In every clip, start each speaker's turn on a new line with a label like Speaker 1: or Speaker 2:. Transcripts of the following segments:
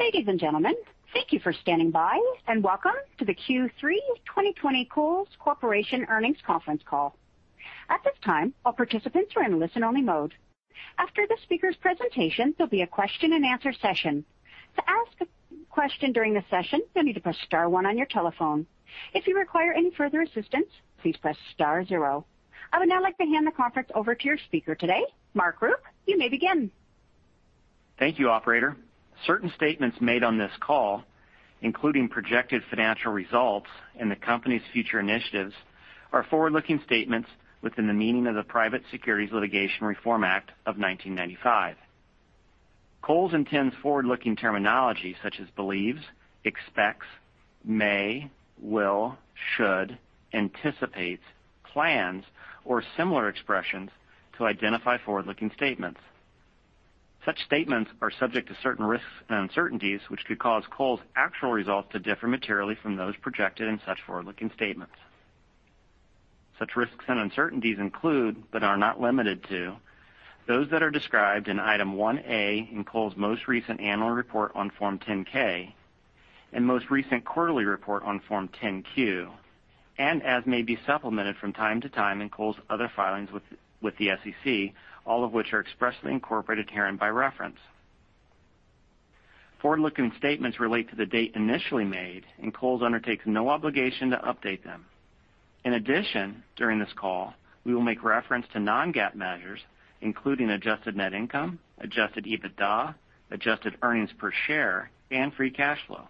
Speaker 1: Ladies and gentlemen, thank you for standing by, and welcome to the Q3 2020 Kohl's Corporation Earnings Conference Call. At this time, all participants are in listen only mode. After the speakers' presentation, there'll be a question and answer session. To ask a question during the session you may press star one on your telephone If you require in further assistance please press star one zero. I would now like to hand the conference over to your speaker today, Mark Rupe. You may begin.
Speaker 2: Thank you, operator. Certain statements made on this call, including projected financial results and the company's future initiatives, are forward-looking statements within the meaning of the Private Securities Litigation Reform Act of 1995. Kohl's intends forward-looking terminology such as believes, expects, may, will, should, anticipates, plans, or similar expressions to identify forward-looking statements. Such statements are subject to certain risks and uncertainties, which could cause Kohl's actual results to differ materially from those projected in such forward-looking statements. Such risks and uncertainties include, but are not limited to, those that are described in Item 1A in Kohl's most recent annual report on Form 10-K and most recent quarterly report on Form 10-Q, and as may be supplemented from time to time in Kohl's other filings with the SEC, all of which are expressly incorporated herein by reference. Forward-looking statements relate to the date initially made, and Kohl's undertakes no obligation to update them. In addition, during this call, we will make reference to non-GAAP measures, including adjusted net income, adjusted EBITDA, adjusted earnings per share, and free cash flow.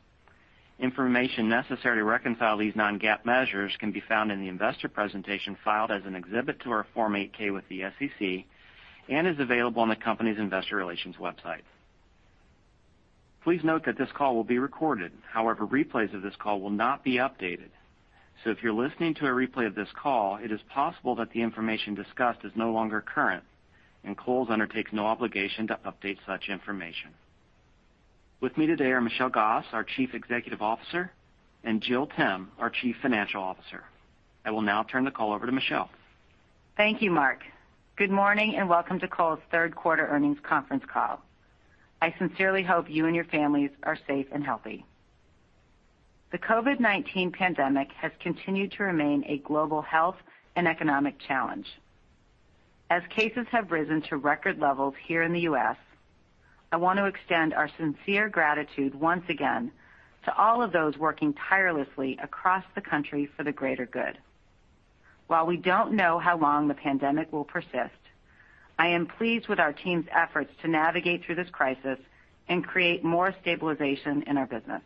Speaker 2: Information necessary to reconcile these non-GAAP measures can be found in the investor presentation filed as an exhibit to our Form 8-K with the SEC and is available on the company's investor relations website. Please note that this call will be recorded. However, replays of this call will not be updated. If you're listening to a replay of this call, it is possible that the information discussed is no longer current, and Kohl's undertakes no obligation to update such information. With me today are Michelle Gass, our Chief Executive Officer, and Jill Timm, our Chief Financial Officer. I will now turn the call over to Michelle.
Speaker 3: Thank you, Mark. Good morning and welcome to Kohl's third quarter earnings conference call. I sincerely hope you and your families are safe and healthy. The COVID-19 pandemic has continued to remain a global health and economic challenge. As cases have risen to record levels here in the U.S., I want to extend our sincere gratitude once again to all of those working tirelessly across the country for the greater good. While we don't know how long the pandemic will persist, I am pleased with our team's efforts to navigate through this crisis and create more stabilization in our business.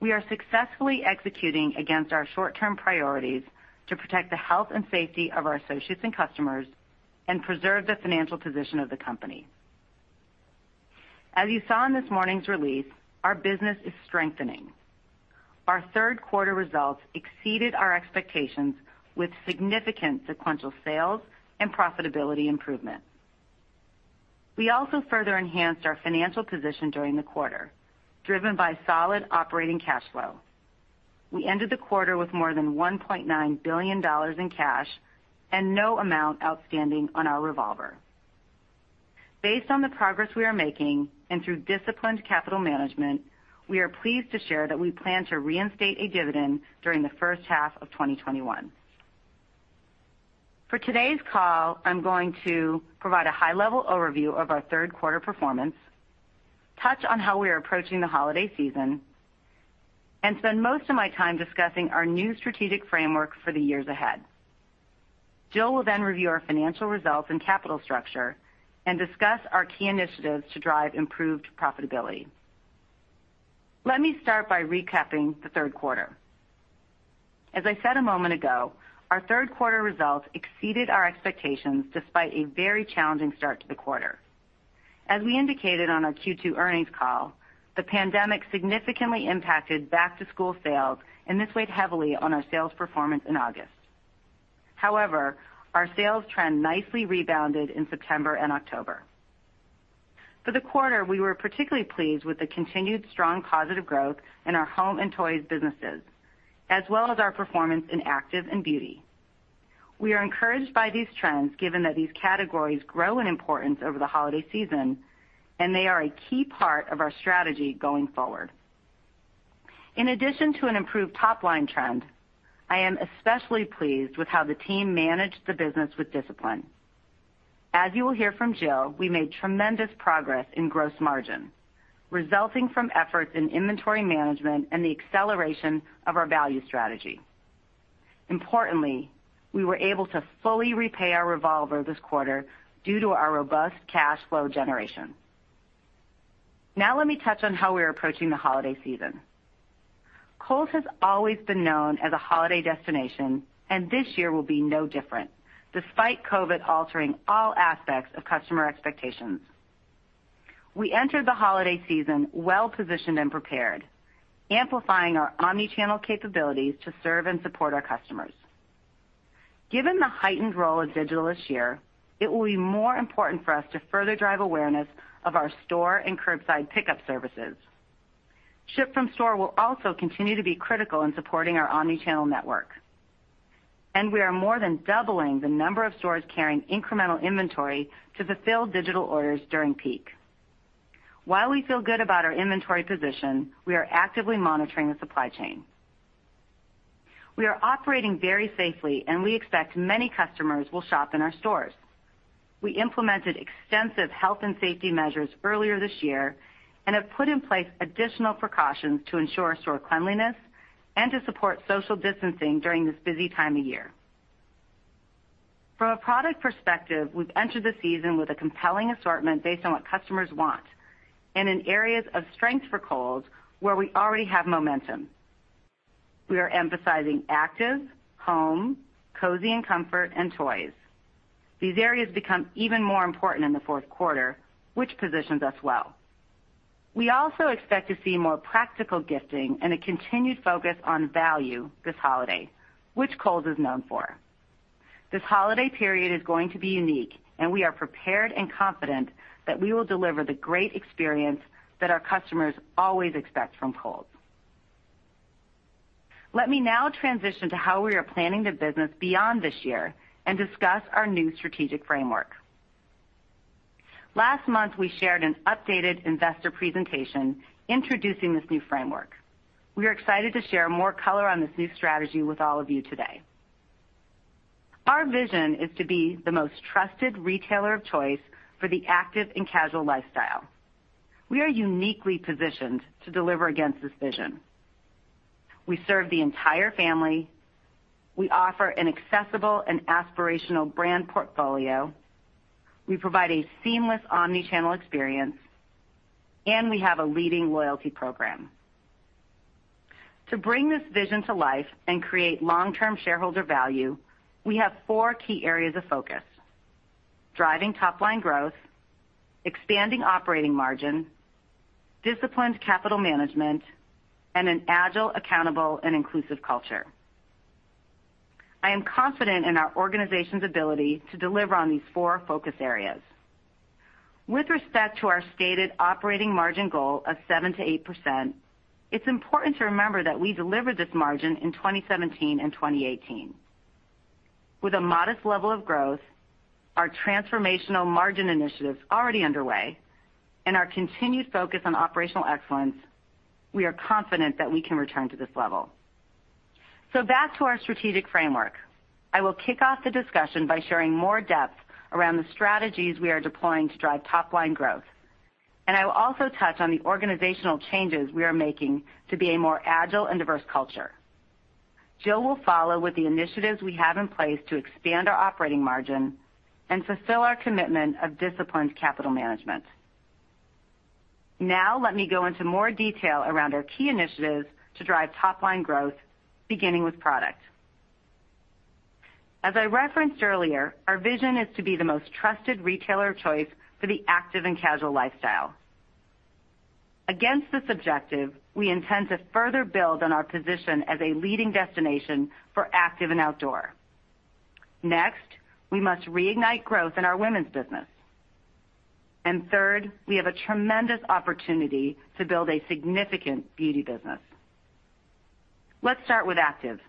Speaker 3: We are successfully executing against our short-term priorities to protect the health and safety of our associates and customers and preserve the financial position of the company. As you saw in this morning's release, our business is strengthening. Our third quarter results exceeded our expectations with significant sequential sales and profitability improvement. We also further enhanced our financial position during the quarter, driven by solid operating cash flow. We ended the quarter with more than $1.9 billion in cash and no amount outstanding on our revolver. Based on the progress we are making and through disciplined capital management, we are pleased to share that we plan to reinstate a dividend during the first half of 2021. For today's call, I'm going to provide a high-level overview of our third quarter performance, touch on how we are approaching the holiday season, and spend most of my time discussing our new strategic framework for the years ahead. Jill will then review our financial results and capital structure and discuss our key initiatives to drive improved profitability. Let me start by recapping the third quarter. As I said a moment ago, our third quarter results exceeded our expectations despite a very challenging start to the quarter. As we indicated on our Q2 earnings call, the pandemic significantly impacted back-to-school sales, and this weighed heavily on our sales performance in August. However, our sales trend nicely rebounded in September and October. For the quarter, we were particularly pleased with the continued strong positive growth in our home and toys businesses, as well as our performance in active and beauty. We are encouraged by these trends given that these categories grow in importance over the holiday season, and they are a key part of our strategy going forward. In addition to an improved top-line trend, I am especially pleased with how the team managed the business with discipline. As you will hear from Jill, we made tremendous progress in gross margin, resulting from efforts in inventory management and the acceleration of our value strategy. Importantly, we were able to fully repay our revolver this quarter due to our robust cash flow generation. Let me touch on how we are approaching the holiday season. Kohl's has always been known as a holiday destination, and this year will be no different, despite COVID altering all aspects of customer expectations. We entered the holiday season well-positioned and prepared, amplifying our omni-channel capabilities to serve and support our customers. Given the heightened role of digital this year, it will be more important for us to further drive awareness of our store and curbside pickup services. Ship from store will also continue to be critical in supporting our omni-channel network. We are more than doubling the number of stores carrying incremental inventory to fulfill digital orders during peak. While we feel good about our inventory position, we are actively monitoring the supply chain. We are operating very safely, and we expect many customers will shop in our stores. We implemented extensive health and safety measures earlier this year and have put in place additional precautions to ensure store cleanliness and to support social distancing during this busy time of year. From a product perspective, we've entered the season with a compelling assortment based on what customers want and in areas of strength for Kohl's where we already have momentum. We are emphasizing active, home, cozy and comfort, and toys. These areas become even more important in the fourth quarter, which positions us well. We also expect to see more practical gifting and a continued focus on value this holiday, which Kohl's is known for. This holiday period is going to be unique, and we are prepared and confident that we will deliver the great experience that our customers always expect from Kohl's. Let me now transition to how we are planning the business beyond this year and discuss our new strategic framework. Last month, we shared an updated investor presentation introducing this new framework. We are excited to share more color on this new strategy with all of you today. Our vision is to be the most trusted retailer of choice for the active and casual lifestyle. We are uniquely positioned to deliver against this vision. We serve the entire family. We offer an accessible and aspirational brand portfolio. We provide a seamless omni-channel experience, and we have a leading loyalty program. To bring this vision to life and create long-term shareholder value, we have four key areas of focus, driving top-line growth, expanding operating margin, disciplined capital management, and an agile, accountable, and inclusive culture. I am confident in our organization's ability to deliver on these four focus areas. With respect to our stated operating margin goal of 7%-8%, it's important to remember that we delivered this margin in 2017 and 2018. With a modest level of growth, our transformational margin initiatives already underway, and our continued focus on operational excellence, we are confident that we can return to this level. Back to our strategic framework. I will kick off the discussion by sharing more depth around the strategies we are deploying to drive top-line growth. I will also touch on the organizational changes we are making to be a more agile and diverse culture. Jill will follow with the initiatives we have in place to expand our operating margin and fulfill our commitment of disciplined capital management. Now, let me go into more detail around our key initiatives to drive top-line growth, beginning with product. As I referenced earlier, our vision is to be the most trusted retailer of choice for the active and casual lifestyle. Against this objective, we intend to further build on our position as a leading destination for active and outdoor. Next, we must reignite growth in our women's business. Third, we have a tremendous opportunity to build a significant beauty business. Let's start with active.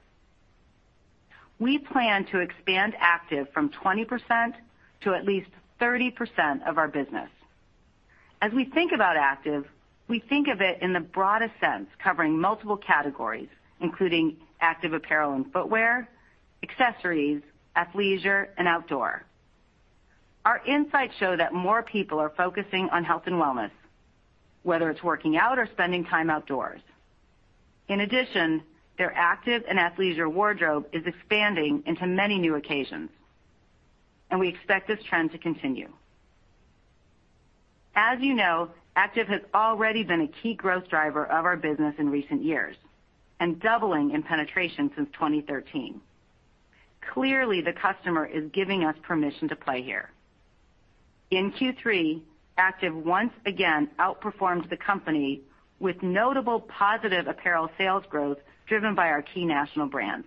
Speaker 3: We plan to expand active from 20% to at least 30% of our business. As we think about active, we think of it in the broadest sense, covering multiple categories, including active apparel and footwear, accessories, athleisure, and outdoor. Our insights show that more people are focusing on health and wellness, whether it's working out or spending time outdoors. Their active and athleisure wardrobe is expanding into many new occasions, and we expect this trend to continue. As you know, active has already been a key growth driver of our business in recent years and doubling in penetration since 2013. Clearly, the customer is giving us permission to play here. In Q3, active once again outperforms the company with notable positive apparel sales growth driven by our key national brands.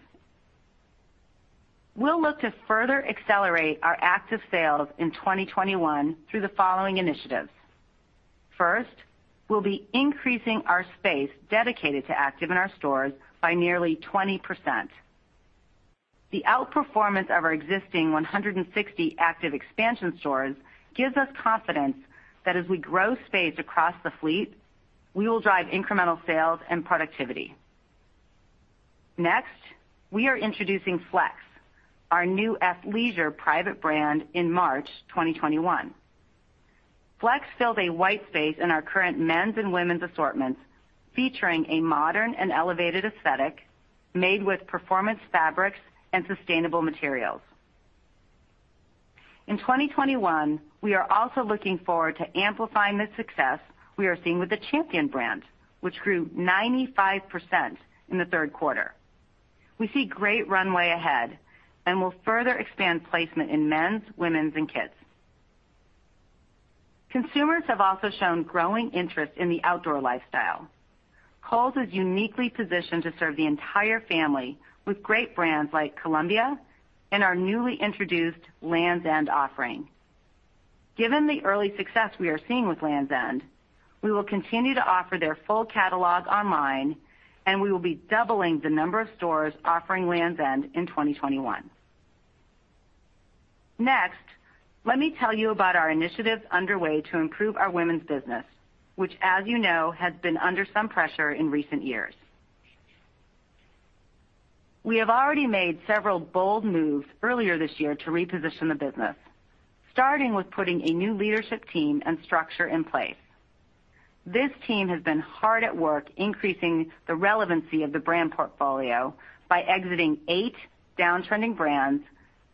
Speaker 3: We'll look to further accelerate our active sales in 2021 through the following initiatives. First, we'll be increasing our space dedicated to active in our stores by nearly 20%. The outperformance of our existing 160 active expansion stores gives us confidence that as we grow space across the fleet, we will drive incremental sales and productivity. Next, we are introducing FLX, our new athleisure private brand, in March 2021. FLX fills a white space in our current men's and women's assortments, featuring a modern and elevated aesthetic made with performance fabrics and sustainable materials. In 2021, we are also looking forward to amplifying the success we are seeing with the Champion brand, which grew 95% in the third quarter. We see great runway ahead and will further expand placement in men's, women's, and kids. Consumers have also shown growing interest in the outdoor lifestyle. Kohl's is uniquely positioned to serve the entire family with great brands like Columbia and our newly introduced Lands' End offering. Given the early success we are seeing with Lands' End, we will continue to offer their full catalog online, and we will be doubling the number of stores offering Lands' End in 2021. Next, let me tell you about our initiatives underway to improve our women's business, which, as you know, has been under some pressure in recent years. We have already made several bold moves earlier this year to reposition the business, starting with putting a new leadership team and structure in place. This team has been hard at work increasing the relevancy of the brand portfolio by exiting eight downtrending brands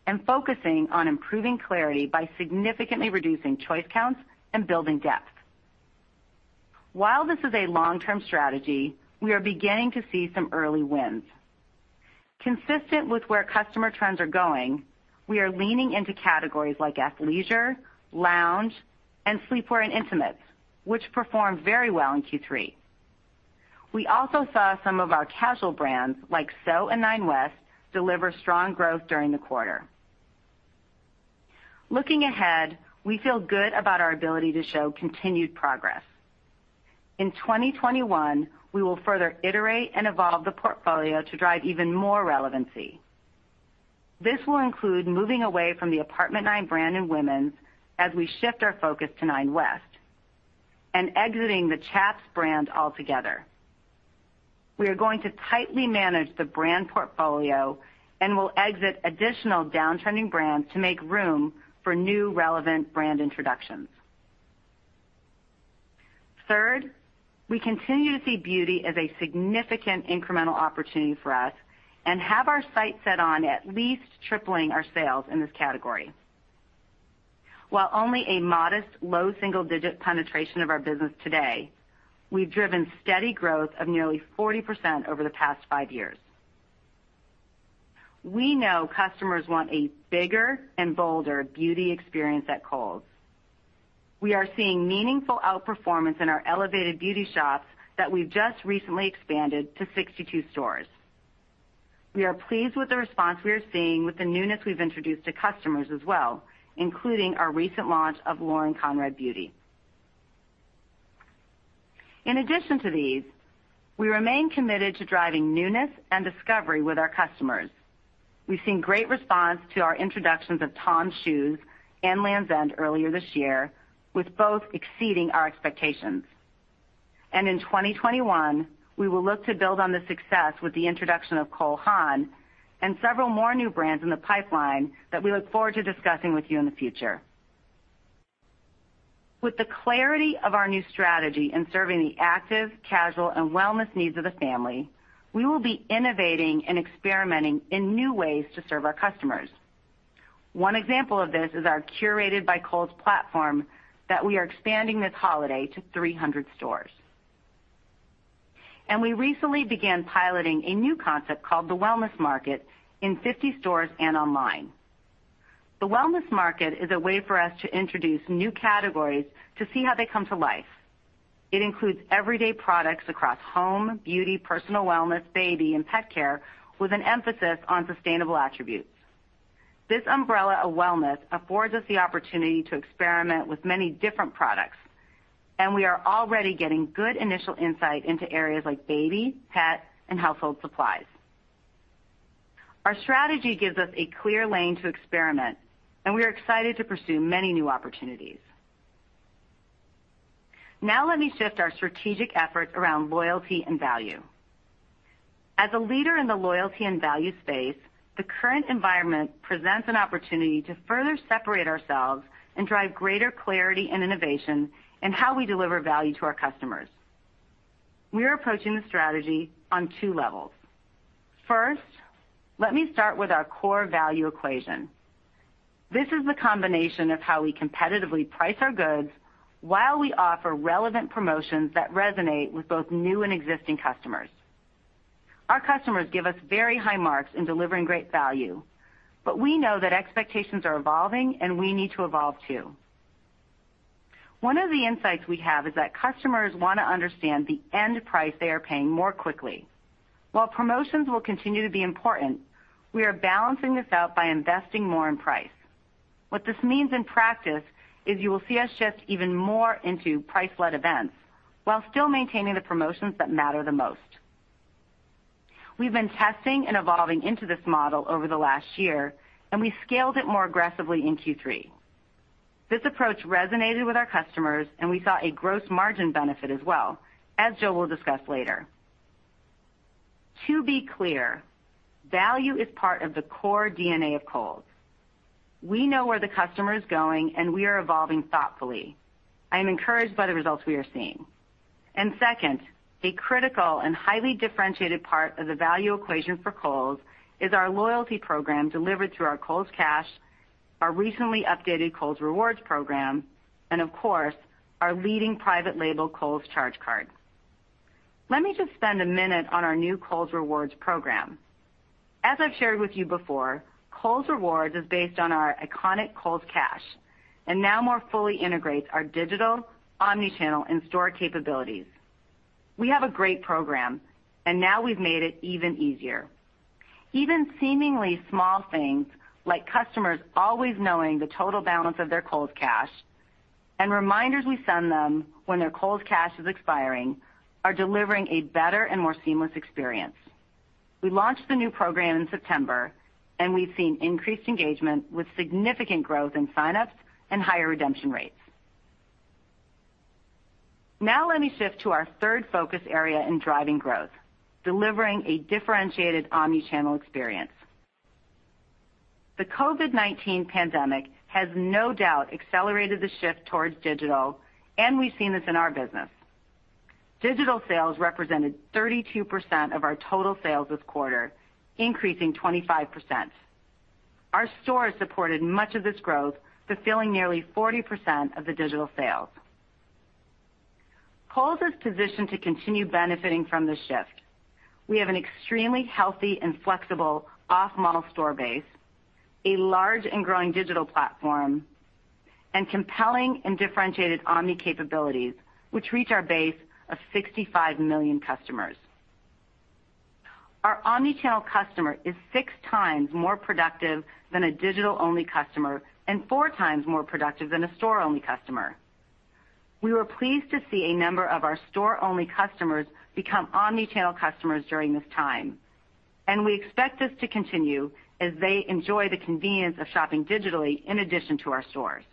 Speaker 3: and focusing on improving clarity by significantly reducing choice counts and building depth. While this is a long-term strategy, we are beginning to see some early wins. Consistent with where customer trends are going, we are leaning into categories like athleisure, lounge, and sleepwear and intimates, which performed very well in Q3. We also saw some of our casual brands, like SO and Nine West, deliver strong growth during the quarter. Looking ahead, we feel good about our ability to show continued progress. In 2021, we will further iterate and evolve the portfolio to drive even more relevancy. This will include moving away from the Apt. 9 brand in women's as we shift our focus to Nine West, and exiting the Chaps brand altogether. We are going to tightly manage the brand portfolio and will exit additional downtrending brands to make room for new relevant brand introductions. Third, we continue to see beauty as a significant incremental opportunity for us and have our sights set on at least tripling our sales in this category. While only a modest low single-digit penetration of our business today, we've driven steady growth of nearly 40% over the past five years. We know customers want a bigger and bolder beauty experience at Kohl's. We are seeing meaningful outperformance in our elevated beauty shops that we've just recently expanded to 62 stores. We are pleased with the response we are seeing with the newness we've introduced to customers as well, including our recent launch of Lauren Conrad Beauty. In addition to these, we remain committed to driving newness and discovery with our customers. We've seen great response to our introductions of TOMS Shoes and Lands' End earlier this year, with both exceeding our expectations. In 2021, we will look to build on this success with the introduction of Cole Haan and several more new brands in the pipeline that we look forward to discussing with you in the future. With the clarity of our new strategy in serving the active, casual, and wellness needs of the family, we will be innovating and experimenting in new ways to serve our customers. One example of this is our Curated by Kohl's platform that we are expanding this holiday to 300 stores. We recently began piloting a new concept called the Wellness Market in 50 stores and online. The Wellness Market is a way for us to introduce new categories to see how they come to life. It includes everyday products across home, beauty, personal wellness, baby, and pet care, with an emphasis on sustainable attributes. This umbrella of wellness affords us the opportunity to experiment with many different products, and we are already getting good initial insight into areas like baby, pet, and household supplies. Our strategy gives us a clear lane to experiment, and we are excited to pursue many new opportunities. Now let me shift our strategic effort around loyalty and value. As a leader in the loyalty and value space, the current environment presents an opportunity to further separate ourselves and drive greater clarity and innovation in how we deliver value to our customers. We are approaching the strategy on two levels. First, let me start with our core value equation. This is the combination of how we competitively price our goods while we offer relevant promotions that resonate with both new and existing customers. Our customers give us very high marks in delivering great value, but we know that expectations are evolving, and we need to evolve, too. One of the insights we have is that customers want to understand the end price they are paying more quickly. While promotions will continue to be important, we are balancing this out by investing more in price. What this means in practice is you will see us shift even more into price-led events while still maintaining the promotions that matter the most. We've been testing and evolving into this model over the last year, and we scaled it more aggressively in Q3. This approach resonated with our customers, and we saw a gross margin benefit as well, as Jill will discuss later. To be clear, value is part of the core DNA of Kohl's. We know where the customer is going, and we are evolving thoughtfully. I am encouraged by the results we are seeing. Second, a critical and highly differentiated part of the value equation for Kohl's is our loyalty program delivered through our Kohl's Cash, our recently updated Kohl's Rewards program, and of course, our leading private label, Kohl's Charge Card. Let me just spend a minute on our new Kohl's Rewards program. As I've shared with you before, Kohl's Rewards is based on our iconic Kohl's Cash and now more fully integrates our digital, omnichannel, and store capabilities. We have a great program, and now we've made it even easier. Even seemingly small things like customers always knowing the total balance of their Kohl's Cash and reminders we send them when their Kohl's Cash is expiring are delivering a better and more seamless experience. We launched the new program in September, and we've seen increased engagement with significant growth in sign-ups and higher redemption rates. Let me shift to our third focus area in driving growth, delivering a differentiated omni-channel experience. The COVID-19 pandemic has no doubt accelerated the shift towards digital, and we've seen this in our business. Digital sales represented 32% of our total sales this quarter, increasing 25%. Our stores supported much of this growth, fulfilling nearly 40% of the digital sales. Kohl's is positioned to continue benefiting from this shift. We have an extremely healthy and flexible off-mall store base, a large and growing digital platform, and compelling and differentiated omni capabilities, which reach our base of 65 million customers. Our omni-channel customer is six times more productive than a digital-only customer and four times more productive than a store-only customer. We were pleased to see a number of our store-only customers become omni-channel customers during this time, and we expect this to continue as they enjoy the convenience of shopping digitally in addition to our stores.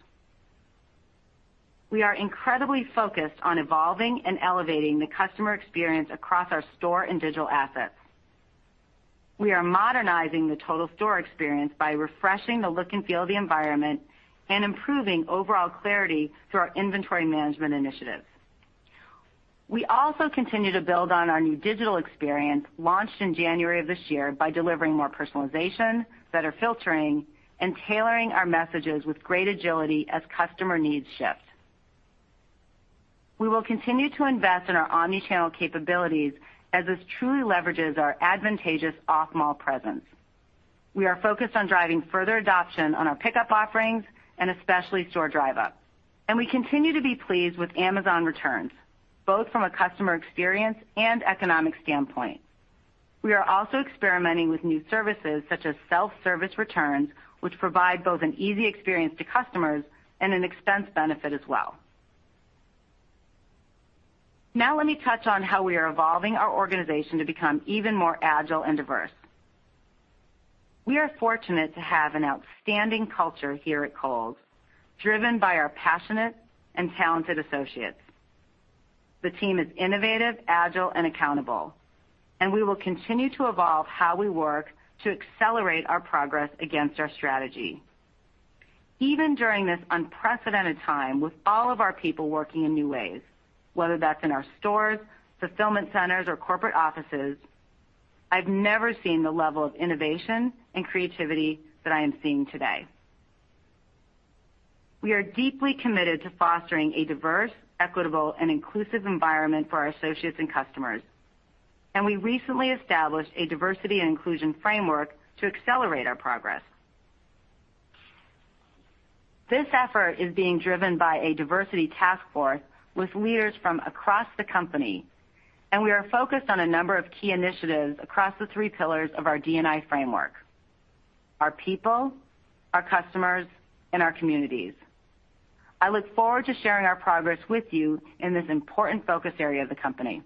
Speaker 3: We are incredibly focused on evolving and elevating the customer experience across our store and digital assets. We are modernizing the total store experience by refreshing the look and feel of the environment and improving overall clarity through our inventory management initiatives. We also continue to build on our new digital experience, launched in January of this year, by delivering more personalization, better filtering, and tailoring our messages with great agility as customer needs shift. We will continue to invest in our omni-channel capabilities as this truly leverages our advantageous off-mall presence. We are focused on driving further adoption on our pickup offerings and especially store drive-up. We continue to be pleased with Amazon returns, both from a customer experience and economic standpoint. We are also experimenting with new services such as self-service returns, which provide both an easy experience to customers and an expense benefit as well. Now let me touch on how we are evolving our organization to become even more agile and diverse. We are fortunate to have an outstanding culture here at Kohl's, driven by our passionate and talented associates. The team is innovative, agile, and accountable, and we will continue to evolve how we work to accelerate our progress against our strategy. Even during this unprecedented time with all of our people working in new ways, whether that's in our stores, fulfillment centers, or corporate offices, I've never seen the level of innovation and creativity that I am seeing today. We are deeply committed to fostering a diverse, equitable, and inclusive environment for our associates and customers, and we recently established a diversity and inclusion framework to accelerate our progress. This effort is being driven by a diversity task force with leaders from across the company, and we are focused on a number of key initiatives across the three pillars of our D&I framework: our people, our customers, and our communities. I look forward to sharing our progress with you in this important focus area of the company.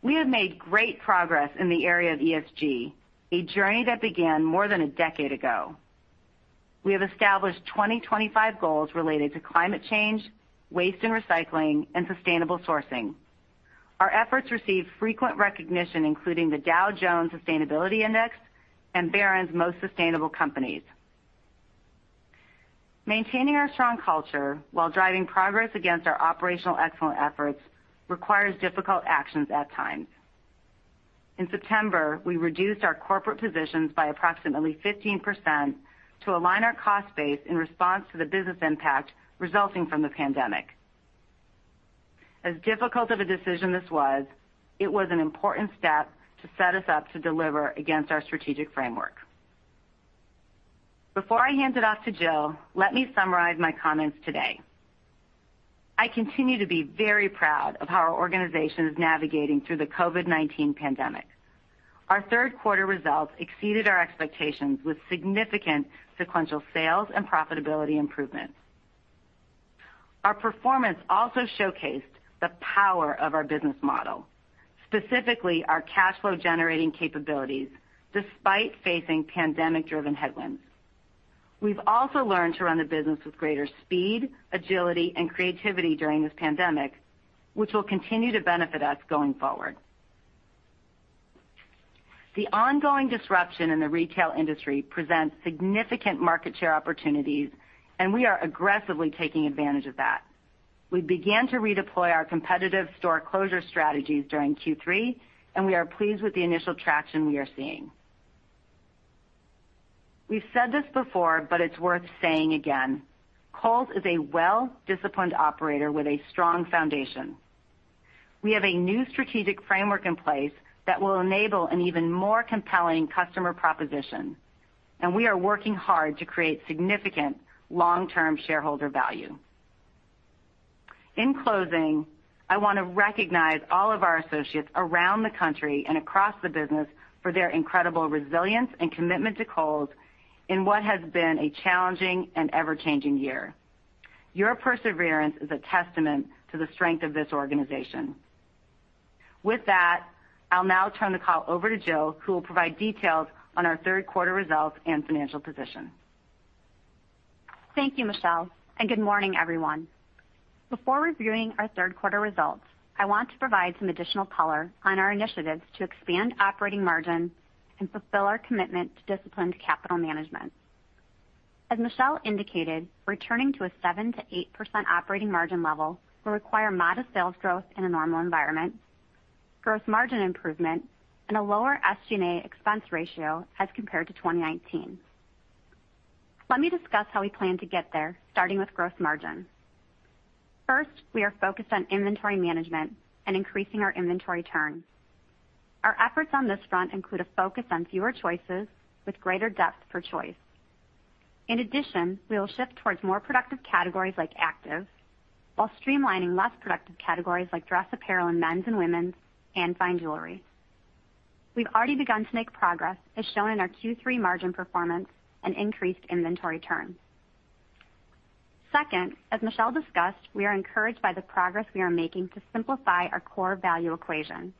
Speaker 3: We have made great progress in the area of ESG, a journey that began more than a decade ago. We have established 2025 goals related to climate change, waste and recycling, and sustainable sourcing. Our efforts receive frequent recognition, including the Dow Jones Sustainability Index and Barron's Most Sustainable Companies. Maintaining our strong culture while driving progress against our operational excellent efforts requires difficult actions at times. In September, we reduced our corporate positions by approximately 15% to align our cost base in response to the business impact resulting from the pandemic. As difficult of a decision this was, it was an important step to set us up to deliver against our strategic framework. Before I hand it off to Jill, let me summarize my comments today. I continue to be very proud of how our organization is navigating through the COVID-19 pandemic. Our third quarter results exceeded our expectations with significant sequential sales and profitability improvements. Our performance also showcased the power of our business model, specifically our cash flow generating capabilities, despite facing pandemic-driven headwinds. We've also learned to run the business with greater speed, agility, and creativity during this pandemic, which will continue to benefit us going forward. The ongoing disruption in the retail industry presents significant market share opportunities, and we are aggressively taking advantage of that. We began to redeploy our competitive store closure strategies during Q3, and we are pleased with the initial traction we are seeing. We've said this before, but it's worth saying again. Kohl's is a well-disciplined operator with a strong foundation. We have a new strategic framework in place that will enable an even more compelling customer proposition. We are working hard to create significant long-term shareholder value. In closing, I want to recognize all of our associates around the country and across the business for their incredible resilience and commitment to Kohl's in what has been a challenging and ever-changing year. Your perseverance is a testament to the strength of this organization. With that, I'll now turn the call over to Jill, who will provide details on our third quarter results and financial position.
Speaker 4: Thank you, Michelle. Good morning, everyone. Before reviewing our third quarter results, I want to provide some additional color on our initiatives to expand operating margin and fulfill our commitment to disciplined capital management. As Michelle indicated, returning to a 7%-8% operating margin level will require modest sales growth in a normal environment, gross margin improvement, and a lower SG&A expense ratio as compared to 2019. Let me discuss how we plan to get there, starting with gross margin. First, we are focused on inventory management and increasing our inventory turn. Our efforts on this front include a focus on fewer choices with greater depth per choice. In addition, we will shift towards more productive categories like active, while streamlining less productive categories like dress apparel in men's and women's, and fine jewelry. We've already begun to make progress, as shown in our Q3 margin performance and increased inventory turn. Second, as Michelle discussed, we are encouraged by the progress we are making to simplify our core value equation.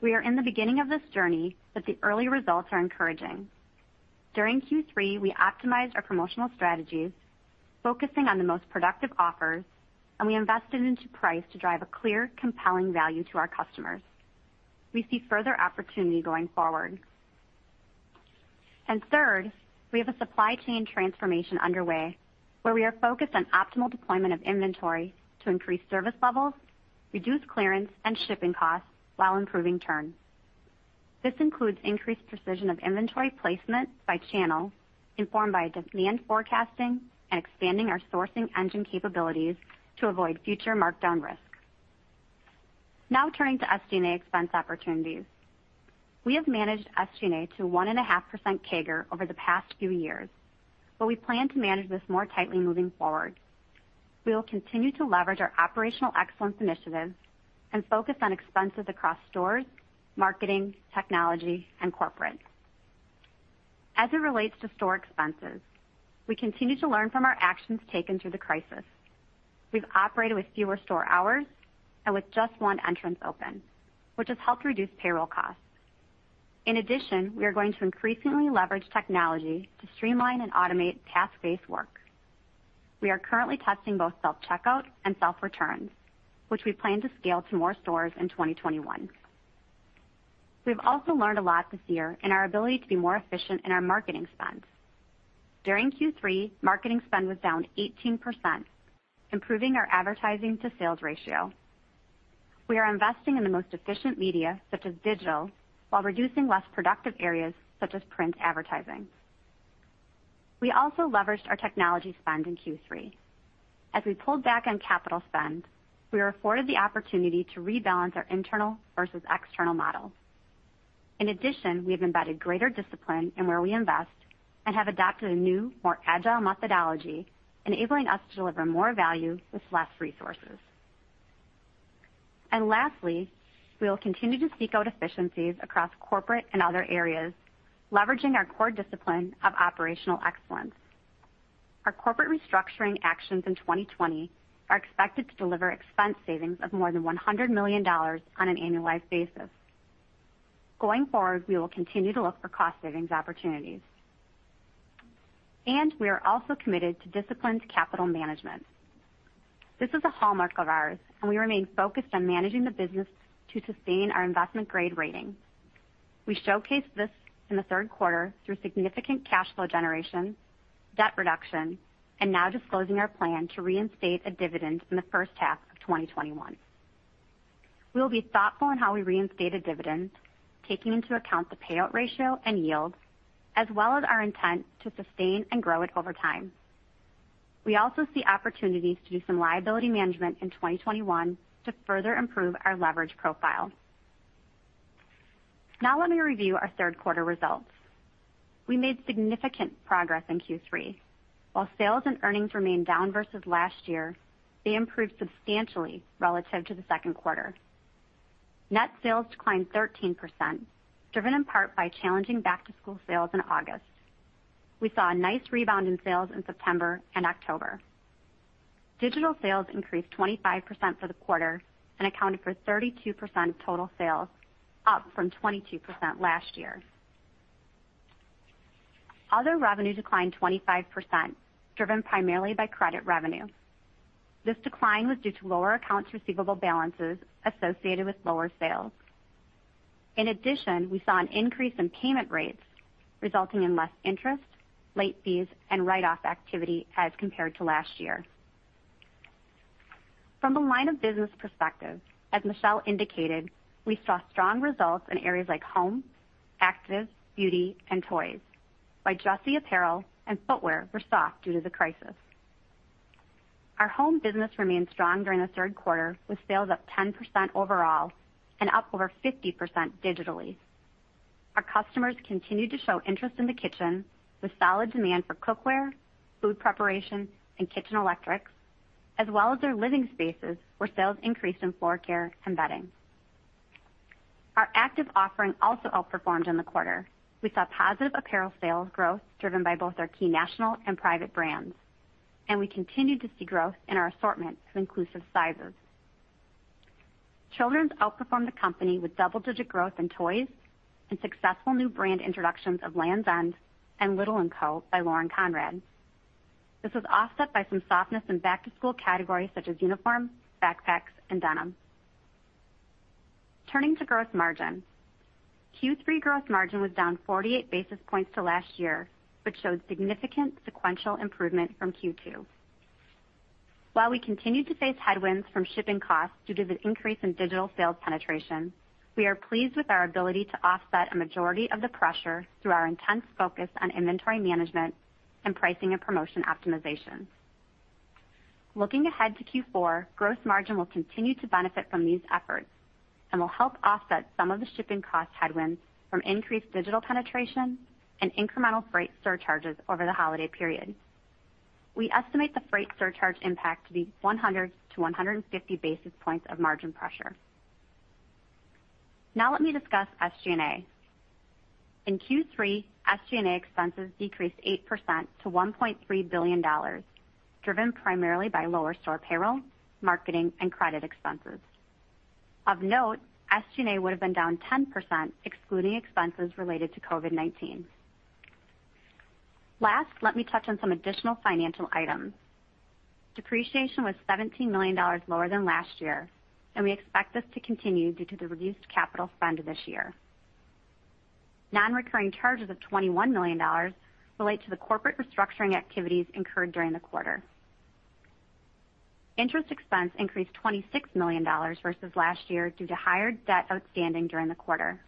Speaker 4: We are in the beginning of this journey, but the early results are encouraging. During Q3, we optimized our promotional strategies, focusing on the most productive offers, and we invested into price to drive a clear, compelling value to our customers. We see further opportunity going forward. Third, we have a supply chain transformation underway, where we are focused on optimal deployment of inventory to increase service levels, reduce clearance and shipping costs while improving turn. This includes increased precision of inventory placement by channel, informed by demand forecasting, and expanding our sourcing engine capabilities to avoid future markdown risk. Now turning to SG&A expense opportunities. We have managed SG&A to 1.5% CAGR over the past few years. We plan to manage this more tightly moving forward. We will continue to leverage our operational excellence initiatives and focus on expenses across stores, marketing, technology, and corporate. As it relates to store expenses, we continue to learn from our actions taken through the crisis. We've operated with fewer store hours and with just one entrance open, which has helped reduce payroll costs. In addition, we are going to increasingly leverage technology to streamline and automate task-based work. We are currently testing both self-checkout and self-returns, which we plan to scale to more stores in 2021. We've also learned a lot this year in our ability to be more efficient in our marketing spend. During Q3, marketing spend was down 18%, improving our advertising to sales ratio. We are investing in the most efficient media, such as digital, while reducing less productive areas such as print advertising. We also leveraged our technology spend in Q3. As we pulled back on capital spend, we were afforded the opportunity to rebalance our internal versus external model. We have embedded greater discipline in where we invest and have adopted a new, more agile methodology, enabling us to deliver more value with less resources. Lastly, we will continue to seek out efficiencies across corporate and other areas, leveraging our core discipline of operational excellence. Our corporate restructuring actions in 2020 are expected to deliver expense savings of more than $100 million on an annualized basis. Going forward, we will continue to look for cost savings opportunities. We are also committed to disciplined capital management. This is a hallmark of ours, and we remain focused on managing the business to sustain our investment-grade rating. We showcased this in the third quarter through significant cash flow generation, debt reduction, and now disclosing our plan to reinstate a dividend in the first half of 2021. We will be thoughtful in how we reinstate a dividend, taking into account the payout ratio and yields, as well as our intent to sustain and grow it over time. We also see opportunities to do some liability management in 2021 to further improve our leverage profile. Now let me review our third quarter results. We made significant progress in Q3. While sales and earnings remained down versus last year, they improved substantially relative to the second quarter. Net sales declined 13%, driven in part by challenging back-to-school sales in August. We saw a nice rebound in sales in September and October. Digital sales increased 25% for the quarter and accounted for 32% of total sales, up from 22% last year. Other revenue declined 25%, driven primarily by credit revenue. This decline was due to lower accounts receivable balances associated with lower sales. In addition, we saw an increase in payment rates, resulting in less interest, late fees, and write-off activity as compared to last year. From the line of business perspective, as Michelle indicated, we saw strong results in areas like home, active, beauty, and toys, while dressy apparel and footwear were soft due to the crisis. Our home business remained strong during the third quarter, with sales up 10% overall and up over 50% digitally. Our customers continued to show interest in the kitchen, with solid demand for cookware, food preparation, and kitchen electrics, as well as their living spaces, where sales increased in floor care and bedding. Our active offering also outperformed in the quarter. We saw positive apparel sales growth driven by both our key national and private brands, and we continued to see growth in our assortment of inclusive sizes. Children's outperformed the company with double-digit growth in toys and successful new brand introductions of Lands' End and Little Co. by Lauren Conrad. This was offset by some softness in back-to-school categories such as uniforms, backpacks, and denim. Turning to gross margin. Q3 gross margin was down 48 basis points to last year, but showed significant sequential improvement from Q2. While we continued to face headwinds from shipping costs due to the increase in digital sales penetration, we are pleased with our ability to offset a majority of the pressure through our intense focus on inventory management and pricing and promotion optimization. Looking ahead to Q4, gross margin will continue to benefit from these efforts and will help offset some of the shipping cost headwinds from increased digital penetration and incremental freight surcharges over the holiday period. We estimate the freight surcharge impact to be 100 to 150 basis points of margin pressure. Now let me discuss SG&A. In Q3, SG&A expenses decreased 8% to $1.3 billion, driven primarily by lower store payroll, marketing, and credit expenses. Of note, SG&A would have been down 10%, excluding expenses related to COVID-19. Last, let me touch on some additional financial items. Depreciation was $17 million lower than last year, and we expect this to continue due to the reduced capital spend this year. Non-recurring charges of $21 million relate to the corporate restructuring activities incurred during the quarter. Interest expense increased $26 million versus last year due to higher debt outstanding during the quarter.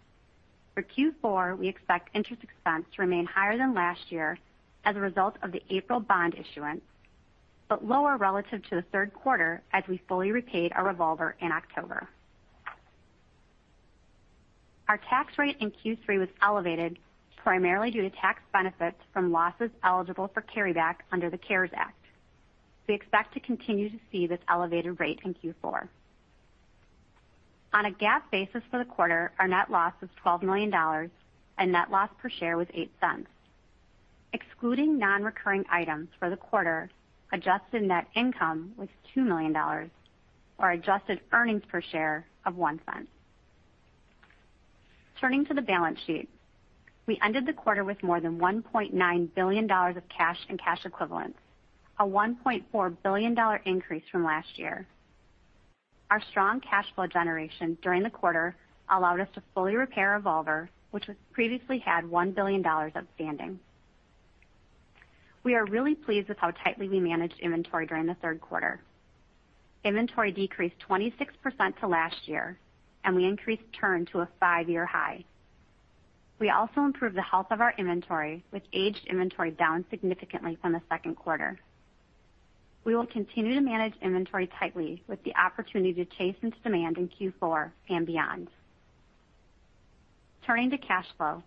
Speaker 4: For Q4, we expect interest expense to remain higher than last year as a result of the April bond issuance, but lower relative to the third quarter as we fully repaid our revolver in October. Our tax rate in Q3 was elevated primarily due to tax benefits from losses eligible for carryback under the CARES Act. We expect to continue to see this elevated rate in Q4. On a GAAP basis for the quarter, our net loss was $12 million, and net loss per share was $0.08. Excluding non-recurring items for the quarter, adjusted net income was $2 million, or adjusted earnings per share of $0.01. Turning to the balance sheet. We ended the quarter with more than $1.9 billion of cash and cash equivalents, a $1.4 billion increase from last year. Our strong cash flow generation during the quarter allowed us to fully repay our revolver, which previously had $1 billion outstanding. We are really pleased with how tightly we managed inventory during the third quarter. Inventory decreased 26% to last year, and we increased turn to a five-year high. We also improved the health of our inventory, with aged inventory down significantly from the second quarter. We will continue to manage inventory tightly with the opportunity to chase into demand in Q4 and beyond. Turning to cash flow.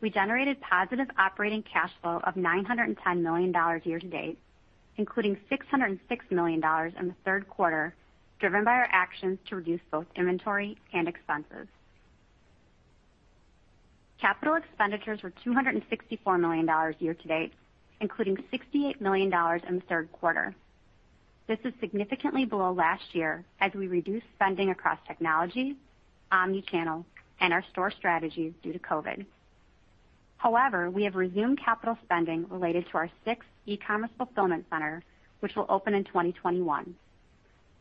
Speaker 4: We generated positive operating cash flow of $910 million year-to-date, including $606 million in the third quarter, driven by our actions to reduce both inventory and expenses. Capital expenditures were $264 million year to date, including $68 million in the third quarter. This is significantly below last year as we reduced spending across technology, omni-channel, and our store strategies due to COVID. However, we have resumed capital spending related to our sixth e-commerce fulfillment center, which will open in 2021.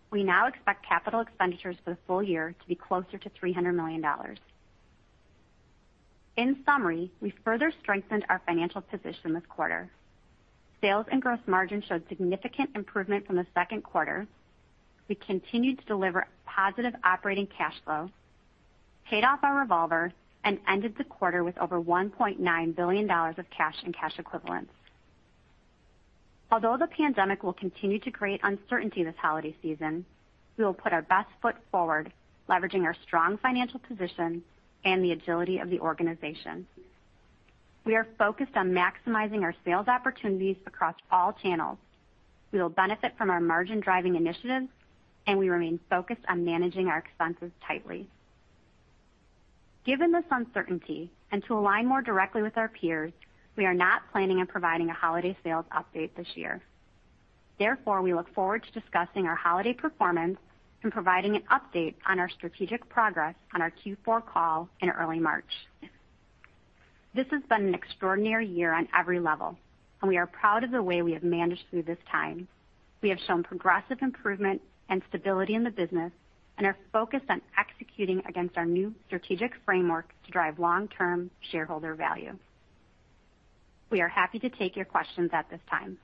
Speaker 4: We now expect capital expenditures for the full-year to be closer to $300 million. In summary, we further strengthened our financial position this quarter. Sales and gross margin showed significant improvement from the second quarter. We continued to deliver positive operating cash flow, paid off our revolver, and ended the quarter with over $1.9 billion of cash and cash equivalents. Although the pandemic will continue to create uncertainty this holiday season, we will put our best foot forward, leveraging our strong financial position and the agility of the organization. We are focused on maximizing our sales opportunities across all channels. We will benefit from our margin-driving initiatives, and we remain focused on managing our expenses tightly. Given this uncertainty, and to align more directly with our peers, we are not planning on providing a holiday sales update this year. Therefore, we look forward to discussing our holiday performance and providing an update on our strategic progress on our Q4 call in early March. This has been an extraordinary year on every level, and we are proud of the way we have managed through this time. We have shown progressive improvement and stability in the business and are focused on executing against our new strategic framework to drive long-term shareholder value. We are happy to take your questions at this time.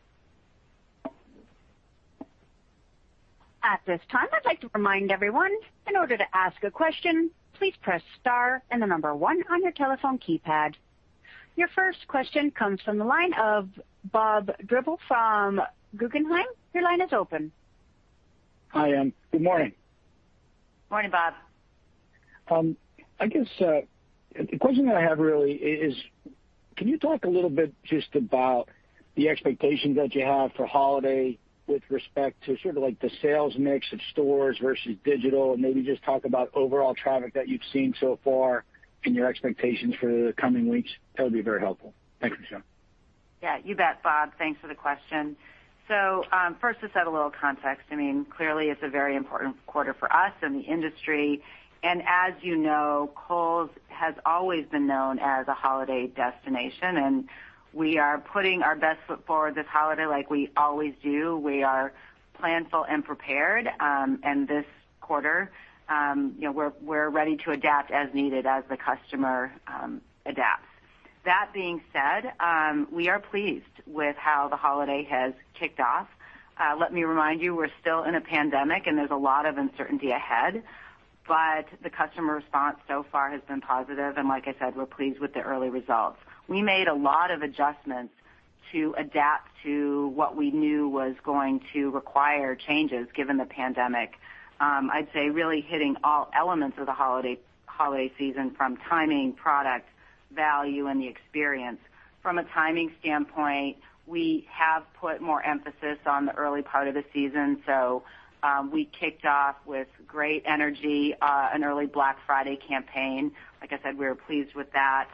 Speaker 1: At this time, I'd like to remind everyone in order to ask a question please press star and the number one on your telephone keypad. Your first question comes from the line of Bob Drbul from Guggenheim. Your line is open.
Speaker 5: Hi, good morning.
Speaker 3: Morning, Bob.
Speaker 5: I guess the question that I have really is, can you talk a little bit just about the expectations that you have for holiday with respect to sort of the sales mix of stores versus digital, and maybe just talk about overall traffic that you've seen so far and your expectations for the coming weeks? That would be very helpful. Thanks, Michelle.
Speaker 3: Yeah, you bet, Bob. Thanks for the question. First to set a little context, clearly it's a very important quarter for us and the industry. As you know, Kohl's has always been known as a holiday destination, and we are putting our best foot forward this holiday like we always do. We are planful and prepared. This quarter, we're ready to adapt as needed as the customer adapts. That being said, we are pleased with how the holiday has kicked off. Let me remind you, we're still in a pandemic, and there's a lot of uncertainty ahead, but the customer response so far has been positive. Like I said, we're pleased with the early results. We made a lot of adjustments to adapt to what we knew was going to require changes, given the pandemic. I'd say really hitting all elements of the holiday season from timing, product, value, and the experience. From a timing standpoint, we have put more emphasis on the early part of the season, so we kicked off with great energy, an early Black Friday campaign. Like I said, we were pleased with that.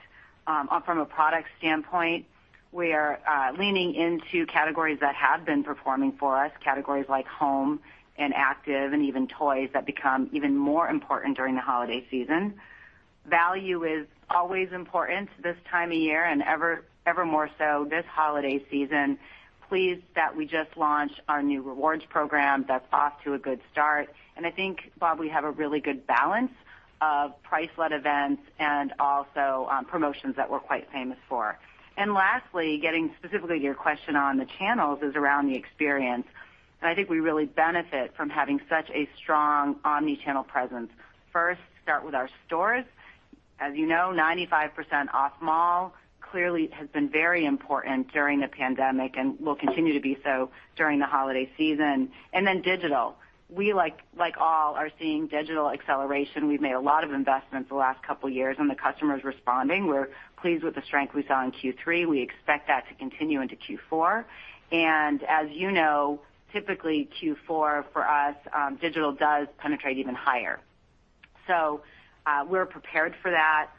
Speaker 3: From a product standpoint, we are leaning into categories that have been performing for us, categories like home and active, and even toys that become even more important during the holiday season. Value is always important this time of year, and ever more so this holiday season. Pleased that we just launched our new Kohl's Rewards program. That's off to a good start. I think, Bob, we have a really good balance of price led events and also promotions that we're quite famous for. Lastly, getting specifically to your question on the channels is around the experience. I think we really benefit from having such a strong omni-channel presence. First, start with our stores. As you know, 95% off mall clearly has been very important during the pandemic and will continue to be so during the holiday season. Then digital. We, like all, are seeing digital acceleration. We've made a lot of investments the last couple of years, and the customer is responding. We're pleased with the strength we saw in Q3. We expect that to continue into Q4. As you know, typically Q4 for us, digital does penetrate even higher. We're prepared for that.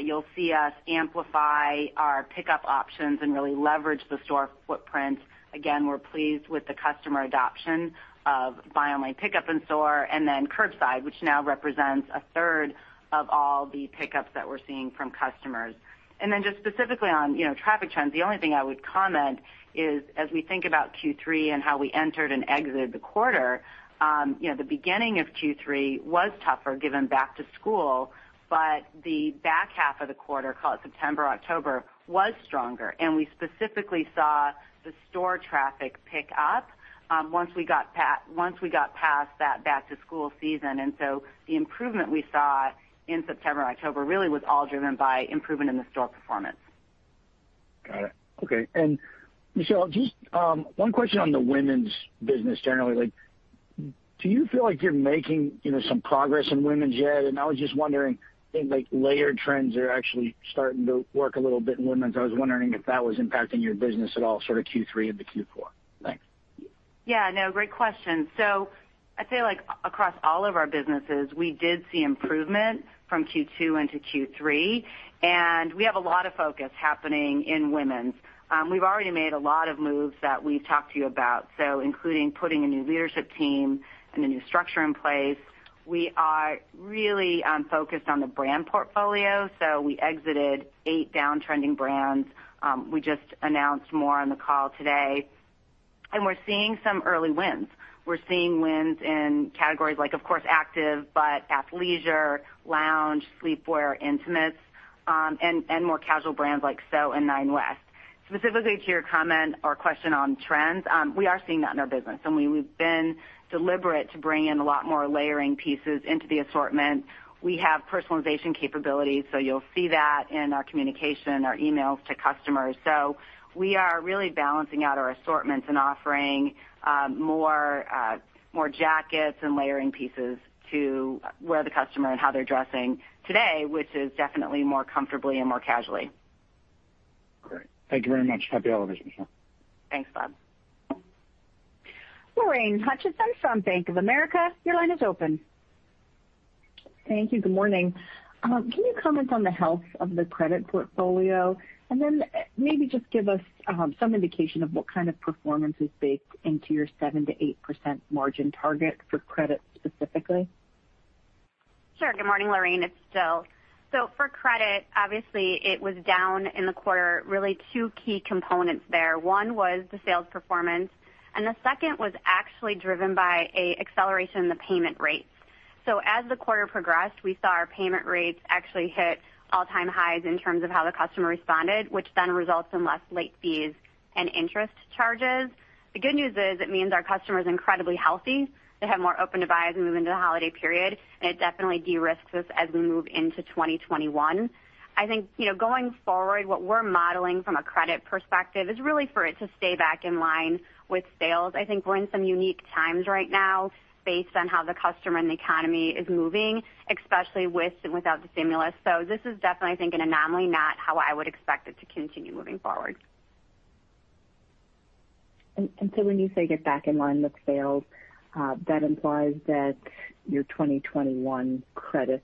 Speaker 3: You'll see us amplify our pickup options and really leverage the store footprint. We're pleased with the customer adoption of buy online pickup in store, then curbside, which now represents a third of all the pickups that we're seeing from customers. Just specifically on traffic trends, the only thing I would comment is as we think about Q3 and how we entered and exited the quarter, the beginning of Q3 was tougher given back to school, but the back half of the quarter, call it September, October, was stronger. We specifically saw the store traffic pick up once we got past that back to school season. The improvement we saw in September and October really was all driven by improvement in the store performance.
Speaker 5: Got it. Okay. Michelle, just one question on the women's business generally. Do you feel like you're making some progress in women's yet? I was just wondering, I think layered trends are actually starting to work a little bit in women's. I was wondering if that was impacting your business at all, sort of Q3 into Q4. Thanks.
Speaker 3: Yeah, no, great question. I'd say across all of our businesses, we did see improvement from Q2 into Q3, and we have a lot of focus happening in women's. We've already made a lot of moves that we've talked to you about. Including putting a new leadership team and a new structure in place. We are really focused on the brand portfolio. We exited eight down trending brands. We just announced more on the call today. We're seeing some early wins. We're seeing wins in categories like, of course, active, but athleisure, lounge, sleepwear, intimates, and more casual brands like SO and Nine West. Specifically to your comment or question on trends, we are seeing that in our business, and we've been deliberate to bring in a lot more layering pieces into the assortment. We have personalization capabilities, so you'll see that in our communication, our emails to customers. We are really balancing out our assortments and offering more jackets and layering pieces to where the customer and how they're dressing today, which is definitely more comfortably and more casually.
Speaker 5: Great. Thank you very much. Happy holidays, Michelle.
Speaker 3: Thanks, Bob.
Speaker 1: Lorraine Hutchinson from Bank of America, your line is open.
Speaker 6: Thank you. Good morning. Can you comment on the health of the credit portfolio? Maybe just give us some indication of what kind of performance is baked into your 7%-8% margin target for credit specifically.
Speaker 4: Sure. Good morning, Lorraine, it's Jill. For credit, obviously it was down in the quarter, really two key components there. One was the sales performance, and the second was actually driven by a acceleration in the payment rates. As the quarter progressed, we saw our payment rates actually hit all-time highs in terms of how the customer responded, which then results in less late fees and interest charges. The good news is, it means our customer is incredibly healthy. They have more open to buy as we move into the holiday period, and it definitely de-risks us as we move into 2021. I think, going forward, what we're modeling from a credit perspective is really for it to stay back in line with sales. I think we're in some unique times right now based on how the customer and the economy is moving, especially with and without the stimulus. This is definitely, I think, an anomaly, not how I would expect it to continue moving forward.
Speaker 6: When you say get back in line with sales, that implies that your 2021 credit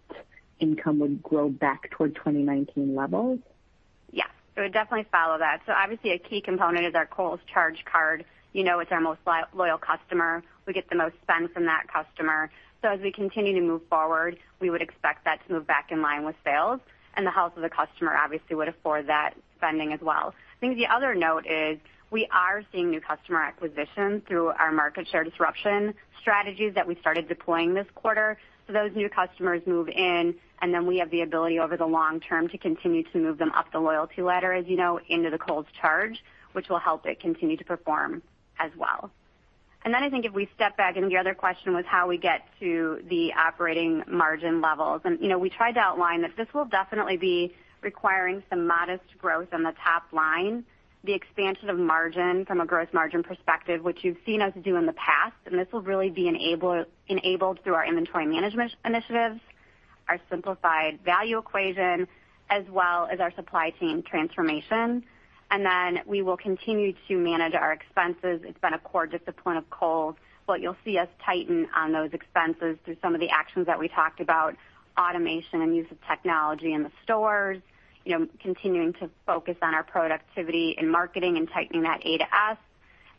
Speaker 6: income would grow back toward 2019 levels?
Speaker 4: Yeah. It would definitely follow that. Obviously a key component is our Kohl's Charge Card. It's our most loyal customer. We get the most spend from that customer. As we continue to move forward, we would expect that to move back in line with sales, and the health of the customer obviously would afford that spending as well. I think the other note is, we are seeing new customer acquisition through our market share disruption strategies that we started deploying this quarter. Those new customers move in, and then we have the ability over the long-term to continue to move them up the loyalty ladder, as you know, into the Kohl's Charge, which will help it continue to perform as well. Then I think if we step back, and the other question was how we get to the operating margin levels. We tried to outline that this will definitely be requiring some modest growth on the top line, the expansion of margin from a gross margin perspective, which you've seen us do in the past, this will really be enabled through our inventory management initiatives, our simplified value equation, as well as our supply chain transformation. We will continue to manage our expenses. It's been a core discipline of Kohl's. What you'll see us tighten on those expenses through some of the actions that we talked about, automation and use of technology in the stores, continuing to focus on our productivity in marketing and tightening that A to S,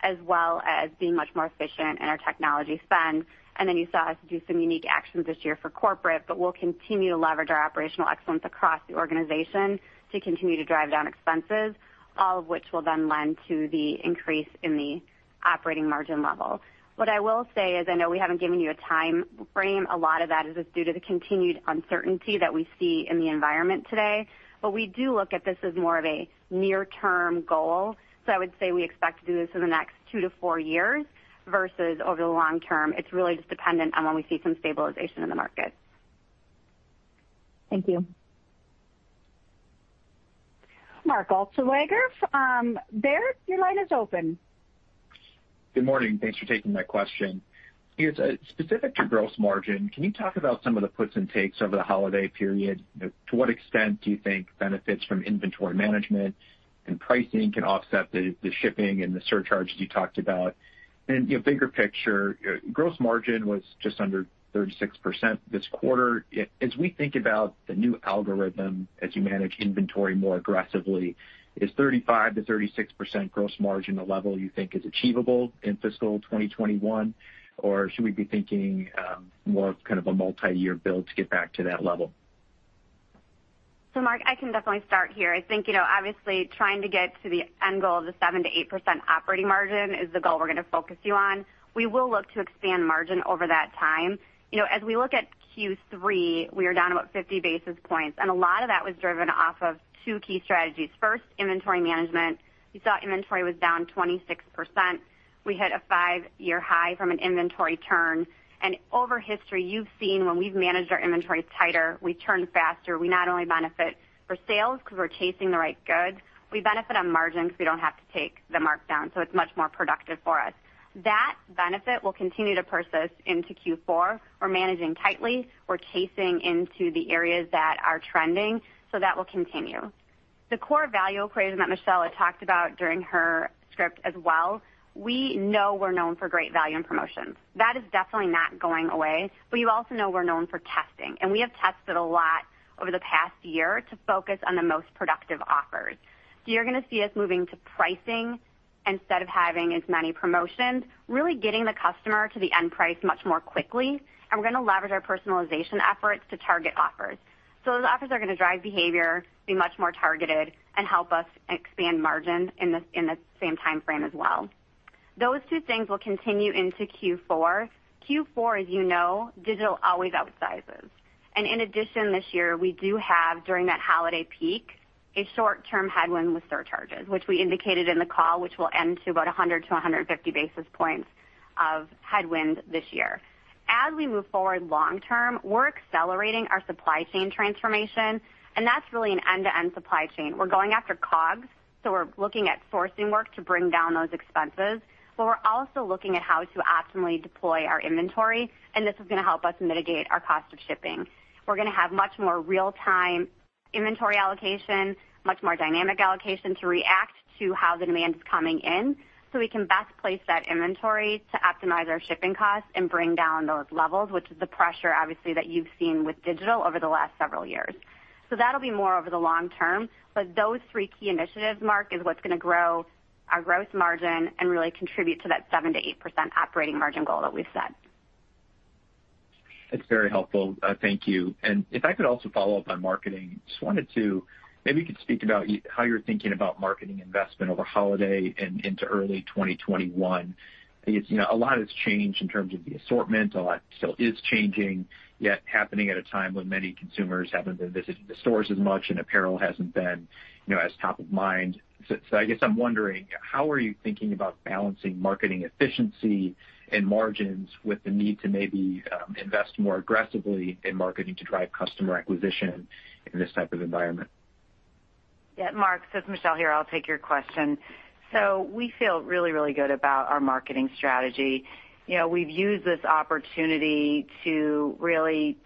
Speaker 4: as well as being much more efficient in our technology spend. You saw us do some unique actions this year for corporate, but we'll continue to leverage our operational excellence across the organization to continue to drive down expenses. All of which will then lend to the increase in the operating margin level. What I will say is, I know we haven't given you a timeframe. A lot of that is just due to the continued uncertainty that we see in the environment today. We do look at this as more of a near-term goal. I would say we expect to do this in the next two to four years versus over the long-term. It's really just dependent on when we see some stabilization in the market.
Speaker 6: Thank you.
Speaker 1: Mark Altschwager from Baird, your line is open.
Speaker 7: Good morning. Thanks for taking my question. Specific to gross margin, can you talk about some of the puts and takes over the holiday period? To what extent do you think benefits from inventory management and pricing can offset the shipping and the surcharges you talked about? Bigger picture, gross margin was just under 36% this quarter. As we think about the new algorithm, as you manage inventory more aggressively, is 35%-36% gross margin a level you think is achievable in fiscal 2021, or should we be thinking more of a multiyear build to get back to that level?
Speaker 4: Mark, I can definitely start here. I think, obviously, trying to get to the end goal of the 7%-8% operating margin is the goal we're going to focus you on. We will look to expand margin over that time. As we look at Q3, we are down about 50 basis points, and a lot of that was driven off of two key strategies. First, inventory management. You saw inventory was down 26%. We hit a five-year high from an inventory turn. Over history, you've seen when we've managed our inventories tighter, we turn faster. We not only benefit for sales because we're chasing the right goods, we benefit on margin because we don't have to take the markdown, so it's much more productive for us. That benefit will continue to persist into Q4. We're managing tightly. We're chasing into the areas that are trending. That will continue. The core value equation that Michelle had talked about during her script as well, we know we're known for great value and promotions. That is definitely not going away. You also know we're known for testing, and we have tested a lot over the past year to focus on the most productive offers. You're going to see us moving to pricing instead of having as many promotions, really getting the customer to the end price much more quickly, and we're going to leverage our personalization efforts to target offers. Those offers are going to drive behavior, be much more targeted, and help us expand margin in the same timeframe as well. Those two things will continue into Q4. Q4, as you know, digital always outsizes. In addition, this year, we do have, during that holiday peak, a short-term headwind with surcharges, which we indicated in the call, which will end to about 100-150 basis points of headwind this year. As we move forward long-term, we're accelerating our supply chain transformation. That's really an end-to-end supply chain. We're going after COGS, so we're looking at sourcing work to bring down those expenses, but we're also looking at how to optimally deploy our inventory, and this is going to help us mitigate our cost of shipping. We're going to have much more real-time inventory allocation, much more dynamic allocation to react to how the demand is coming in, so we can best place that inventory to optimize our shipping costs and bring down those levels, which is the pressure, obviously, that you've seen with digital over the last several years. That'll be more over the long-term, but those three key initiatives, Mark, is what's going to grow our gross margin and really contribute to that 7%-8% operating margin goal that we've set.
Speaker 7: It's very helpful. Thank you. If I could also follow up on marketing, maybe you could speak about how you're thinking about marketing investment over holiday and into early 2021. A lot has changed in terms of the assortment, a lot still is changing, yet happening at a time when many consumers haven't been visiting the stores as much and apparel hasn't been as top of mind. I guess I'm wondering, how are you thinking about balancing marketing efficiency and margins with the need to maybe invest more aggressively in marketing to drive customer acquisition in this type of environment?
Speaker 3: Yeah, Mark. It's Michelle here, I'll take your question. We feel really, really good about our marketing strategy. We've used this opportunity to really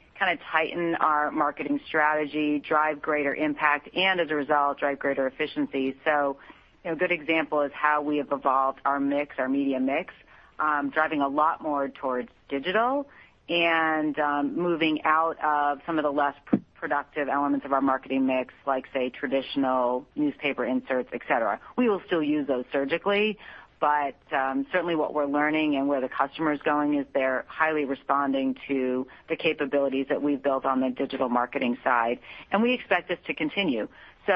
Speaker 3: tighten our marketing strategy, drive greater impact, and as a result, drive greater efficiency. A good example is how we have evolved our mix, our media mix, driving a lot more towards digital and moving out of some of the less productive elements of our marketing mix, like, say, traditional newspaper inserts, et cetera. We will still use those surgically, certainly what we're learning and where the customer is going is they're highly responding to the capabilities that we've built on the digital marketing side, and we expect this to continue.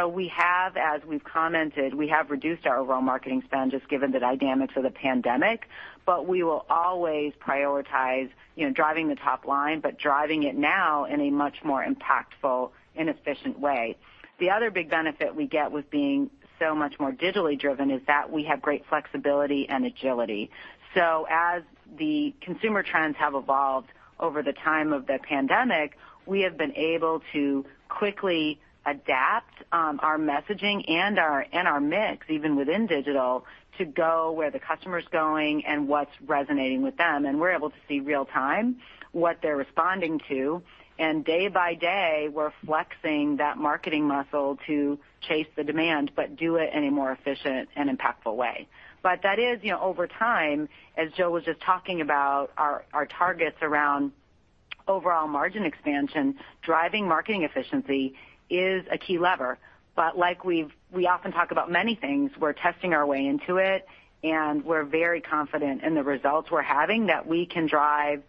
Speaker 3: We have, as we've commented, we have reduced our overall marketing spend, just given the dynamics of the pandemic, but we will always prioritize driving the top line, but driving it now in a much more impactful and efficient way. The other big benefit we get with being so much more digitally driven is that we have great flexibility and agility. As the consumer trends have evolved over the time of the pandemic, we have been able to quickly adapt our messaging and our mix, even within digital, to go where the customer's going and what's resonating with them. We're able to see real time what they're responding to. Day-by-day, we're flexing that marketing muscle to chase the demand, but do it in a more efficient and impactful way. That is, over time, as Jill was just talking about, our targets around overall margin expansion, driving marketing efficiency is a key lever. Like we often talk about many things, we're testing our way into it, and we're very confident in the results we're having, that we can drive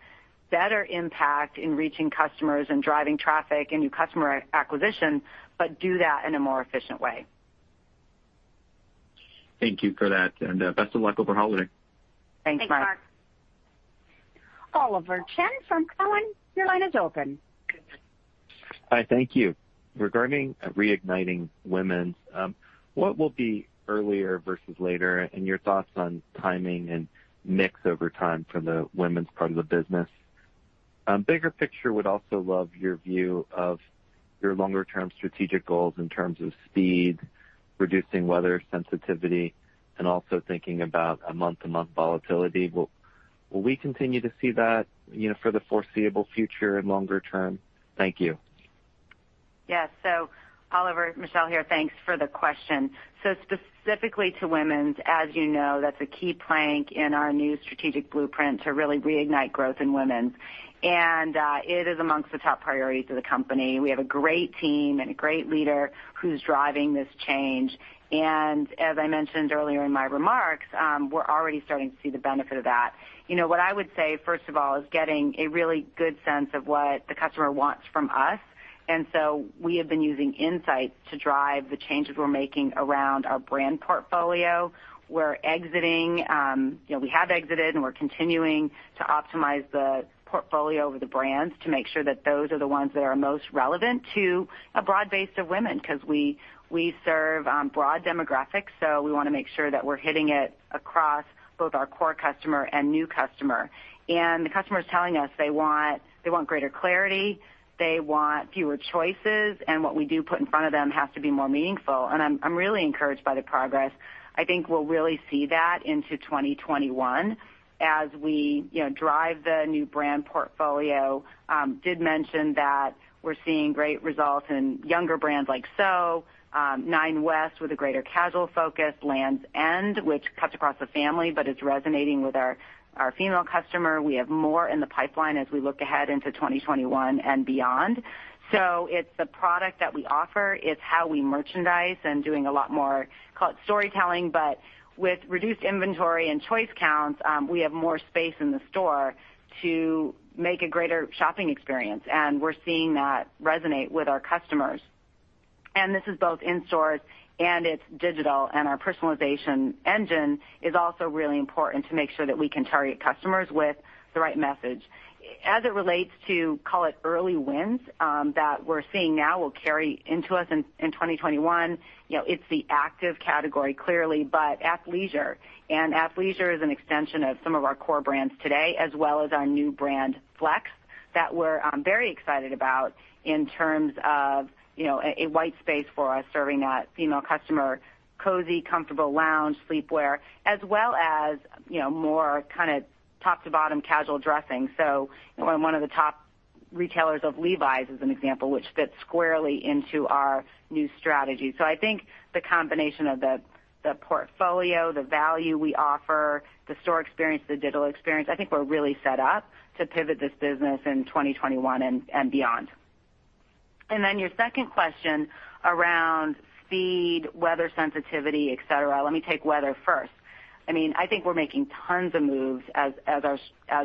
Speaker 3: better impact in reaching customers and driving traffic and new customer acquisition, but do that in a more efficient way.
Speaker 7: Thank you for that, and best of luck over holiday.
Speaker 3: Thanks, Mark.
Speaker 4: Thanks, Mark.
Speaker 1: Oliver Chen from Cowen, your line is open.
Speaker 8: Hi, thank you. Regarding reigniting women's, what will be earlier versus later, and your thoughts on timing and mix over time for the women's part of the business. Bigger picture, would also love your view of your longer-term strategic goals in terms of speed, reducing weather sensitivity, and also thinking about a month-to-month volatility. Will we continue to see that for the foreseeable future and longer term? Thank you.
Speaker 3: Yeah. Oliver, Michelle here. Thanks for the question. Specifically to women's, as you know, that's a key plank in our new strategic blueprint to really reignite growth in women's. It is amongst the top priorities of the company. We have a great team and a great leader who's driving this change. As I mentioned earlier in my remarks, we're already starting to see the benefit of that. What I would say, first of all, is getting a really good sense of what the customer wants from us. We have been using insights to drive the changes we're making around our brand portfolio. We have exited, and we're continuing to optimize the portfolio of the brands to make sure that those are the ones that are most relevant to a broad base of women, because we serve broad demographics, so we want to make sure that we're hitting it across both our core customer and new customer. The customer is telling us they want greater clarity, they want fewer choices, and what we do put in front of them has to be more meaningful. I'm really encouraged by the progress. I think we'll really see that into 2021 as we drive the new brand portfolio. Did mention that we're seeing great results in younger brands like SO, Nine West with a greater casual focus, Lands' End, which cuts across the family but is resonating with our female customer. We have more in the pipeline as we look ahead into 2021 and beyond. It's the product that we offer, it's how we merchandise and doing a lot more, call it storytelling, but with reduced inventory and choice counts, we have more space in the store to make a greater shopping experience, and we're seeing that resonate with our customers. This is both in stores and it's digital, and our personalization engine is also really important to make sure that we can target customers with the right message. As it relates to, call it early wins, that we're seeing now will carry into us in 2021. It's the active category, clearly, but athleisure. Athleisure is an extension of some of our core brands today, as well as our new brand, FLX, that we're very excited about in terms of a white space for us serving that female customer, cozy, comfortable lounge, sleepwear, as well as more top to bottom casual dressing. We're one of the top retailers of Levi's, as an example, which fits squarely into our new strategy. I think the combination of the portfolio, the value we offer, the store experience, the digital experience, I think we're really set up to pivot this business in 2021 and beyond. Your second question around speed, weather sensitivity, et cetera. Let me take weather first. I think we're making tons of moves as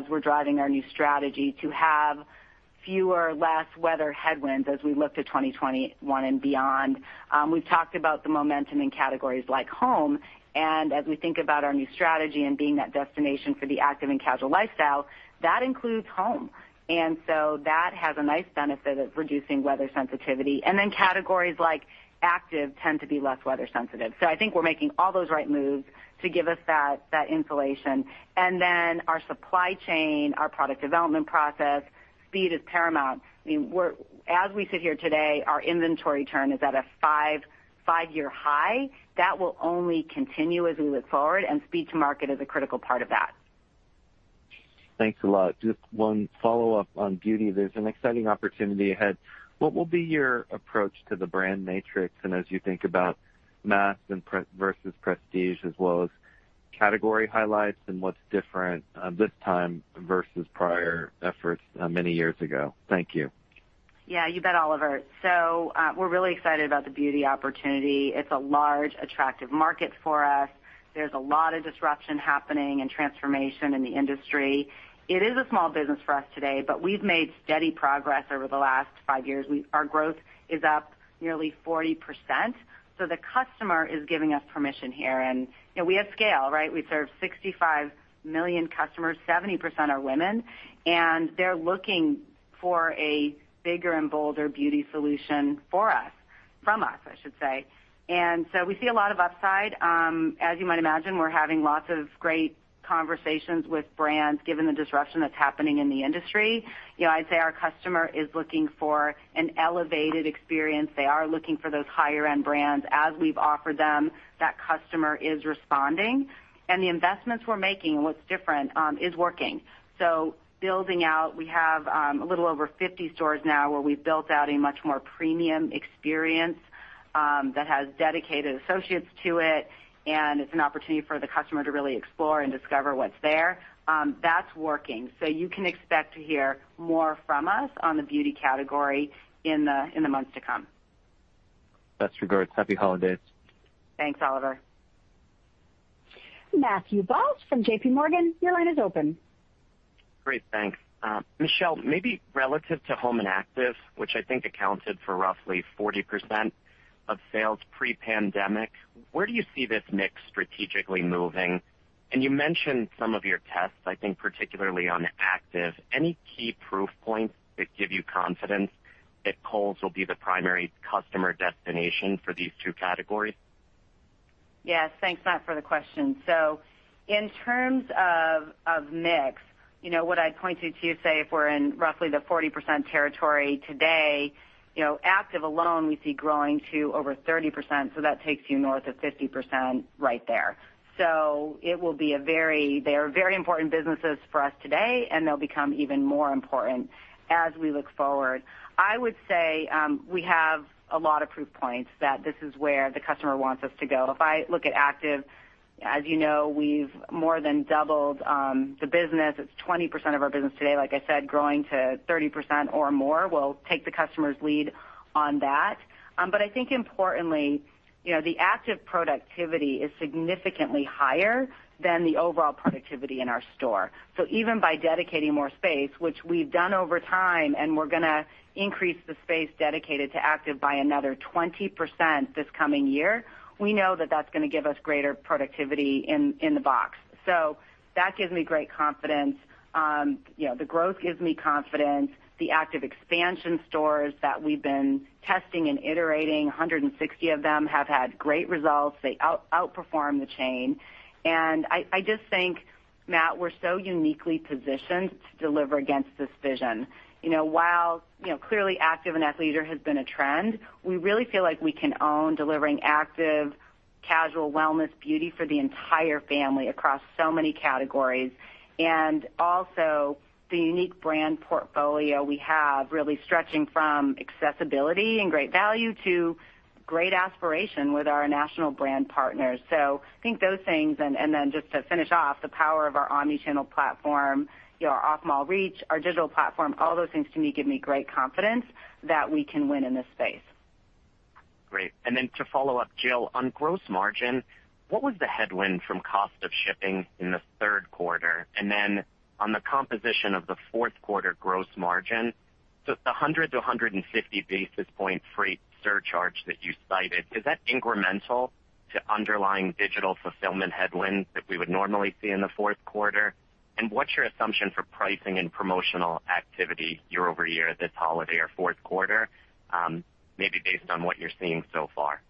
Speaker 3: we're driving our new strategy to have fewer, less weather headwinds as we look to 2021 and beyond. We've talked about the momentum in categories like home, and as we think about our new strategy and being that destination for the active and casual lifestyle, that includes home. That has a nice benefit of reducing weather sensitivity. Categories like active tend to be less weather sensitive. I think we're making all those right moves to give us that insulation. Our supply chain, our product development process, speed is paramount. As we sit here today, our inventory turn is at a five-year high. That will only continue as we look forward, and speed to market is a critical part of that.
Speaker 8: Thanks a lot. Just one follow-up on beauty. There's an exciting opportunity ahead. What will be your approach to the brand matrix? As you think about mass versus prestige, as well as category highlights and what's different this time versus prior efforts many years ago. Thank you.
Speaker 3: Yeah, you bet, Oliver. We're really excited about the beauty opportunity. It's a large, attractive market for us. There's a lot of disruption happening and transformation in the industry. It is a small business for us today, but we've made steady progress over the last five years. Our growth is up nearly 40%. The customer is giving us permission here. We have scale, right? We serve 65 million customers, 70% are women. They're looking for a bigger and bolder beauty solution for us, from us, I should say. We see a lot of upside. As you might imagine, we're having lots of great conversations with brands, given the disruption that's happening in the industry. I'd say our customer is looking for an elevated experience. They are looking for those higher end brands. As we've offered them, that customer is responding, and the investments we're making, what's different, is working. Building out, we have a little over 50 stores now where we've built out a much more premium experience that has dedicated associates to it, and it's an opportunity for the customer to really explore and discover what's there. That's working. You can expect to hear more from us on the beauty category in the months to come.
Speaker 8: Best regards. Happy holidays.
Speaker 3: Thanks, Oliver.
Speaker 1: Matthew Boss from JPMorgan, your line is open.
Speaker 9: Great. Thanks. Michelle, maybe relative to home and active, which I think accounted for roughly 40% of sales pre-pandemic, where do you see this mix strategically moving? You mentioned some of your tests, I think particularly on active. Any key proof points that give you confidence that Kohl's will be the primary customer destination for these two categories?
Speaker 3: Yes, thanks, Matt for the question. In terms of mix, what I'd point to, if you say if we're in roughly the 40% territory today, active alone, we see growing to over 30%. That takes you north of 50% right there. They are very important businesses for us today, and they'll become even more important as we look forward. I would say, we have a lot of proof points that this is where the customer wants us to go. If I look at active, as you know, we've more than doubled the business. It's 20% of our business today, like I said, growing to 30% or more. We'll take the customer's lead on that. I think importantly, the active productivity is significantly higher than the overall productivity in our store. Even by dedicating more space, which we've done over time, and we're going to increase the space dedicated to active by another 20% this coming year, we know that that's going to give us greater productivity in the box. That gives me great confidence. The growth gives me confidence. The active expansion stores that we've been testing and iterating, 160 of them have had great results. They outperform the chain. I just think, Matt, we're so uniquely positioned to deliver against this vision. While clearly active and athleisure has been a trend, we really feel like we can own delivering active, casual wellness, beauty for the entire family across so many categories. Also the unique brand portfolio we have, really stretching from accessibility and great value to great aspiration with our national brand partners. I think those things, and then just to finish off, the power of our omnichannel platform, our off mall reach, our digital platform, all those things to me, give me great confidence that we can win in this space.
Speaker 9: Great. To follow up, Jill, on gross margin, what was the headwind from cost of shipping in the third quarter? To follow up on the composition of the fourth quarter gross margin, the 100-150 basis point freight surcharge that you cited, is that incremental to underlying digital fulfillment headwinds that we would normally see in the fourth quarter? What's your assumption for pricing and promotional activity year-over-year this holiday or fourth quarter, maybe based on what you're seeing so far?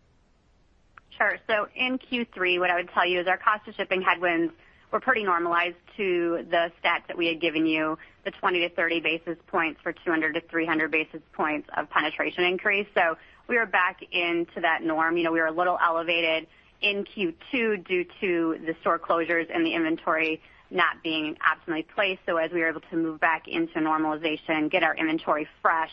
Speaker 4: Sure. In Q3, what I would tell you is our cost of shipping headwinds were pretty normalized to the stats that we had given you, the 20-30 basis points for 200-300 basis points of penetration increase. We are back into that norm. We were a little elevated in Q2 due to the store closures and the inventory not being optimally placed. As we were able to move back into normalization, get our inventory fresh,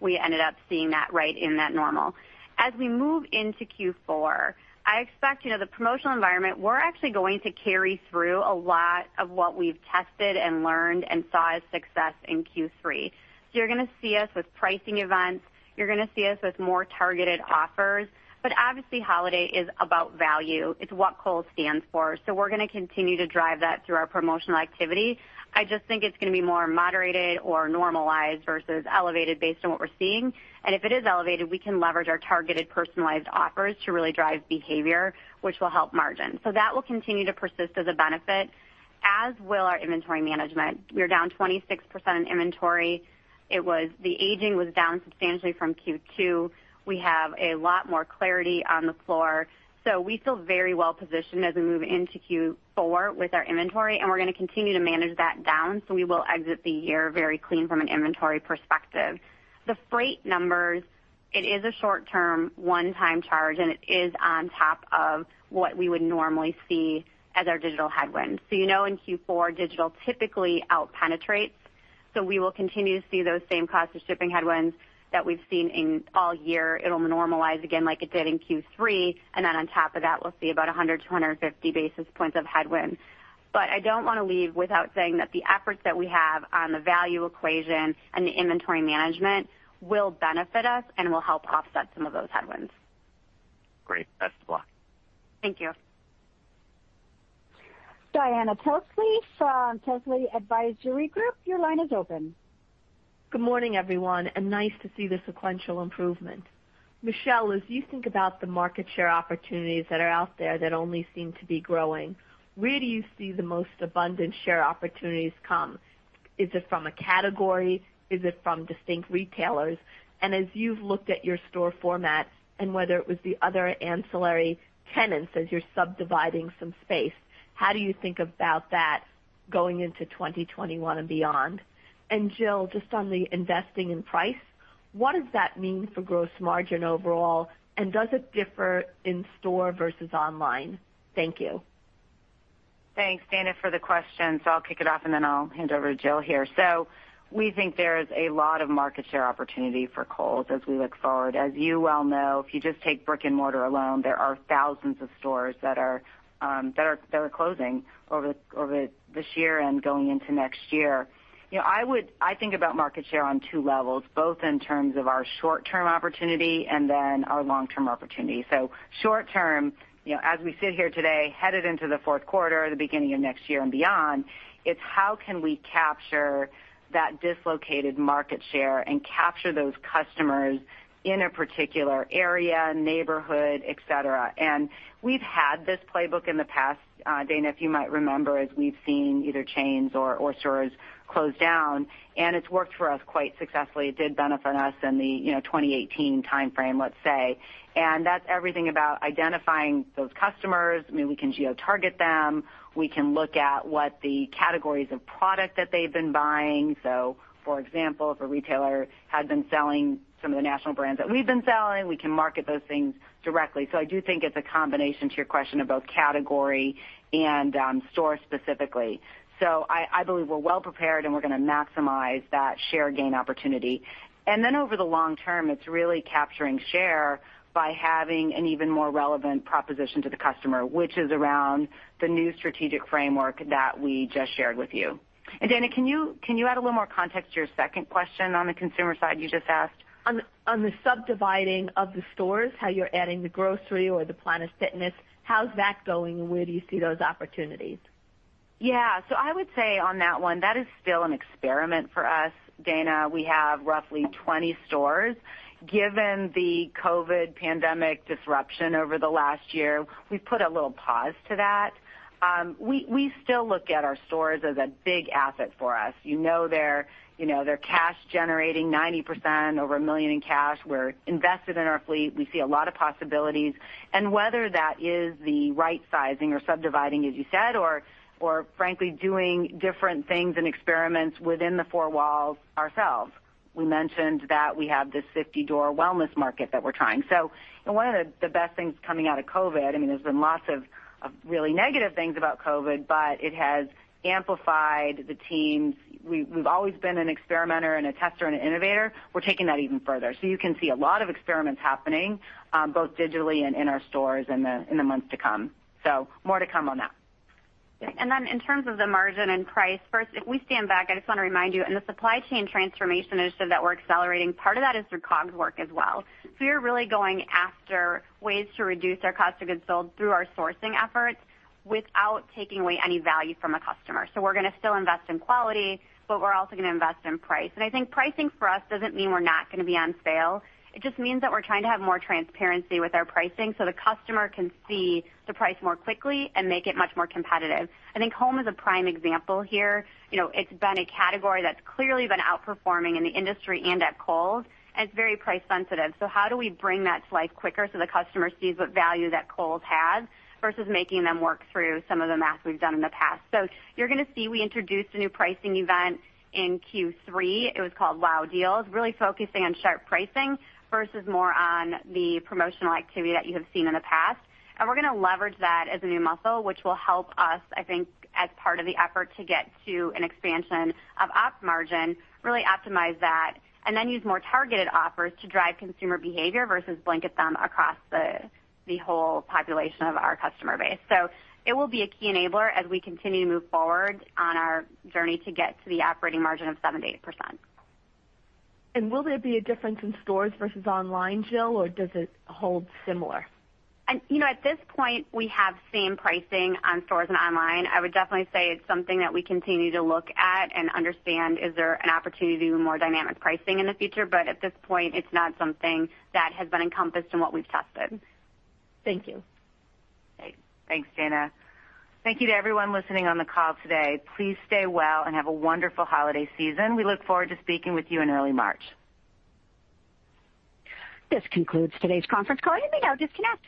Speaker 4: we ended up seeing that right in that normal. As we move into Q4, I expect the promotional environment, we're actually going to carry through a lot of what we've tested and learned and saw as success in Q3. You're going to see us with pricing events. You're going to see us with more targeted offers. Obviously, holiday is about value. It's what Kohl's stands for. We're going to continue to drive that through our promotional activity. I just think it's going to be more moderated or normalized versus elevated based on what we're seeing. If it is elevated, we can leverage our targeted, personalized offers to really drive behavior, which will help margin. That will continue to persist as a benefit. As will our inventory management. We're down 26% in inventory. The aging was down substantially from Q2. We have a lot more clarity on the floor. We feel very well positioned as we move into Q4 with our inventory, and we're going to continue to manage that down, so we will exit the year very clean from an inventory perspective. The freight numbers, it is a short-term, one-time charge, and it is on top of what we would normally see as our digital headwind. You know in Q4, digital typically out-penetrates. We will continue to see those same costs of shipping headwinds that we've seen all year. It'll normalize again like it did in Q3. Then on top of that, we'll see about 100-150 basis points of headwind. I don't want to leave without saying that the efforts that we have on the value equation and the inventory management will benefit us and will help offset some of those headwinds.
Speaker 9: Great. Best of luck.
Speaker 4: Thank you.
Speaker 1: Dana Telsey from Telsey Advisory Group, your line is open.
Speaker 10: Good morning, everyone, and nice to see the sequential improvement. Michelle, as you think about the market share opportunities that are out there that only seem to be growing, where do you see the most abundant share opportunities come? Is it from a category? Is it from distinct retailers? As you've looked at your store format and whether it was the other ancillary tenants as you're subdividing some space, how do you think about that going into 2021 and beyond? Jill, just on the investing in price, what does that mean for gross margin overall, and does it differ in-store versus online? Thank you.
Speaker 3: Thanks, Dana, for the question. I'll kick it off, and then I'll hand over to Jill here. We think there is a lot of market share opportunity for Kohl's as we look forward. As you well know, if you just take brick and mortar alone, there are thousands of stores that are closing over this year and going into next year. I think about market share on two levels, both in terms of our short-term opportunity and then our long-term opportunity. Short term, as we sit here today, headed into the fourth quarter, the beginning of next year and beyond, it's how can we capture that dislocated market share and capture those customers in a particular area, neighborhood, et cetera. We've had this playbook in the past, Dana, if you might remember, as we've seen either chains or stores close down, and it's worked for us quite successfully. It did benefit us in the 2018 timeframe, let's say. That's everything about identifying those customers, maybe we can geo-target them. We can look at what the categories of product that they've been buying. For example, if a retailer had been selling some of the national brands that we've been selling, we can market those things directly. I do think it's a combination, to your question, of both category and store specifically. I believe we're well prepared, and we're going to maximize that share gain opportunity. Over the long term, it's really capturing share by having an even more relevant proposition to the customer, which is around the new strategic framework that we just shared with you. Dana, can you add a little more context to your second question on the consumer side you just asked?
Speaker 10: On the subdividing of the stores, how you're adding the grocery or the Planet Fitness, how's that going, and where do you see those opportunities?
Speaker 3: Yeah. I would say on that one, that is still an experiment for us, Dana. We have roughly 20 stores. Given the COVID pandemic disruption over the last year, we put a little pause to that. We still look at our stores as a big asset for us. You know they're cash generating 90%, over $1 million in cash. We're invested in our fleet. We see a lot of possibilities, and whether that is the right sizing or subdividing, as you said, or frankly, doing different things and experiments within the four walls ourselves. We mentioned that we have this 50-door Wellness Market that we're trying. One of the best things coming out of COVID, there's been lots of really negative things about COVID, but it has amplified the teams. We've always been an experimenter and a tester and an innovator. We're taking that even further. You can see a lot of experiments happening, both digitally and in our stores in the months to come. More to come on that.
Speaker 4: In terms of the margin and price, first, if we stand back, I just want to remind you, in the supply chain transformation initiative that we're accelerating, part of that is through COGS work as well. We are really going after ways to reduce our cost of goods sold through our sourcing efforts without taking away any value from a customer. We're going to still invest in quality, but we're also going to invest in price. I think pricing for us doesn't mean we're not going to be on sale. It just means that we're trying to have more transparency with our pricing so the customer can see the price more quickly and make it much more competitive. I think home is a prime example here. It's been a category that's clearly been outperforming in the industry and at Kohl's, and it's very price sensitive. How do we bring that to life quicker so the customer sees what value that Kohl's has versus making them work through some of the math we've done in the past. You're going to see, we introduced a new pricing event in Q3. It was called Wow Deals, really focusing on sharp pricing versus more on the promotional activity that you have seen in the past. We're going to leverage that as a new muscle, which will help us, I think, as part of the effort to get to an expansion of ops margin, really optimize that, and then use more targeted offers to drive consumer behavior versus blanket them across the whole population of our customer base. It will be a key enabler as we continue to move forward on our journey to get to the operating margin of 7%-8%.
Speaker 10: Will there be a difference in stores versus online, Jill, or does it hold similar?
Speaker 4: At this point, we have same pricing on stores and online. I would definitely say it's something that we continue to look at and understand, is there an opportunity to do more dynamic pricing in the future? At this point, it's not something that has been encompassed in what we've tested.
Speaker 10: Thank you.
Speaker 3: Great. Thanks, Dana. Thank you to everyone listening on the call today. Please stay well and have a wonderful holiday season. We look forward to speaking with you in early March.
Speaker 1: This concludes today's conference call. You may now disconnect.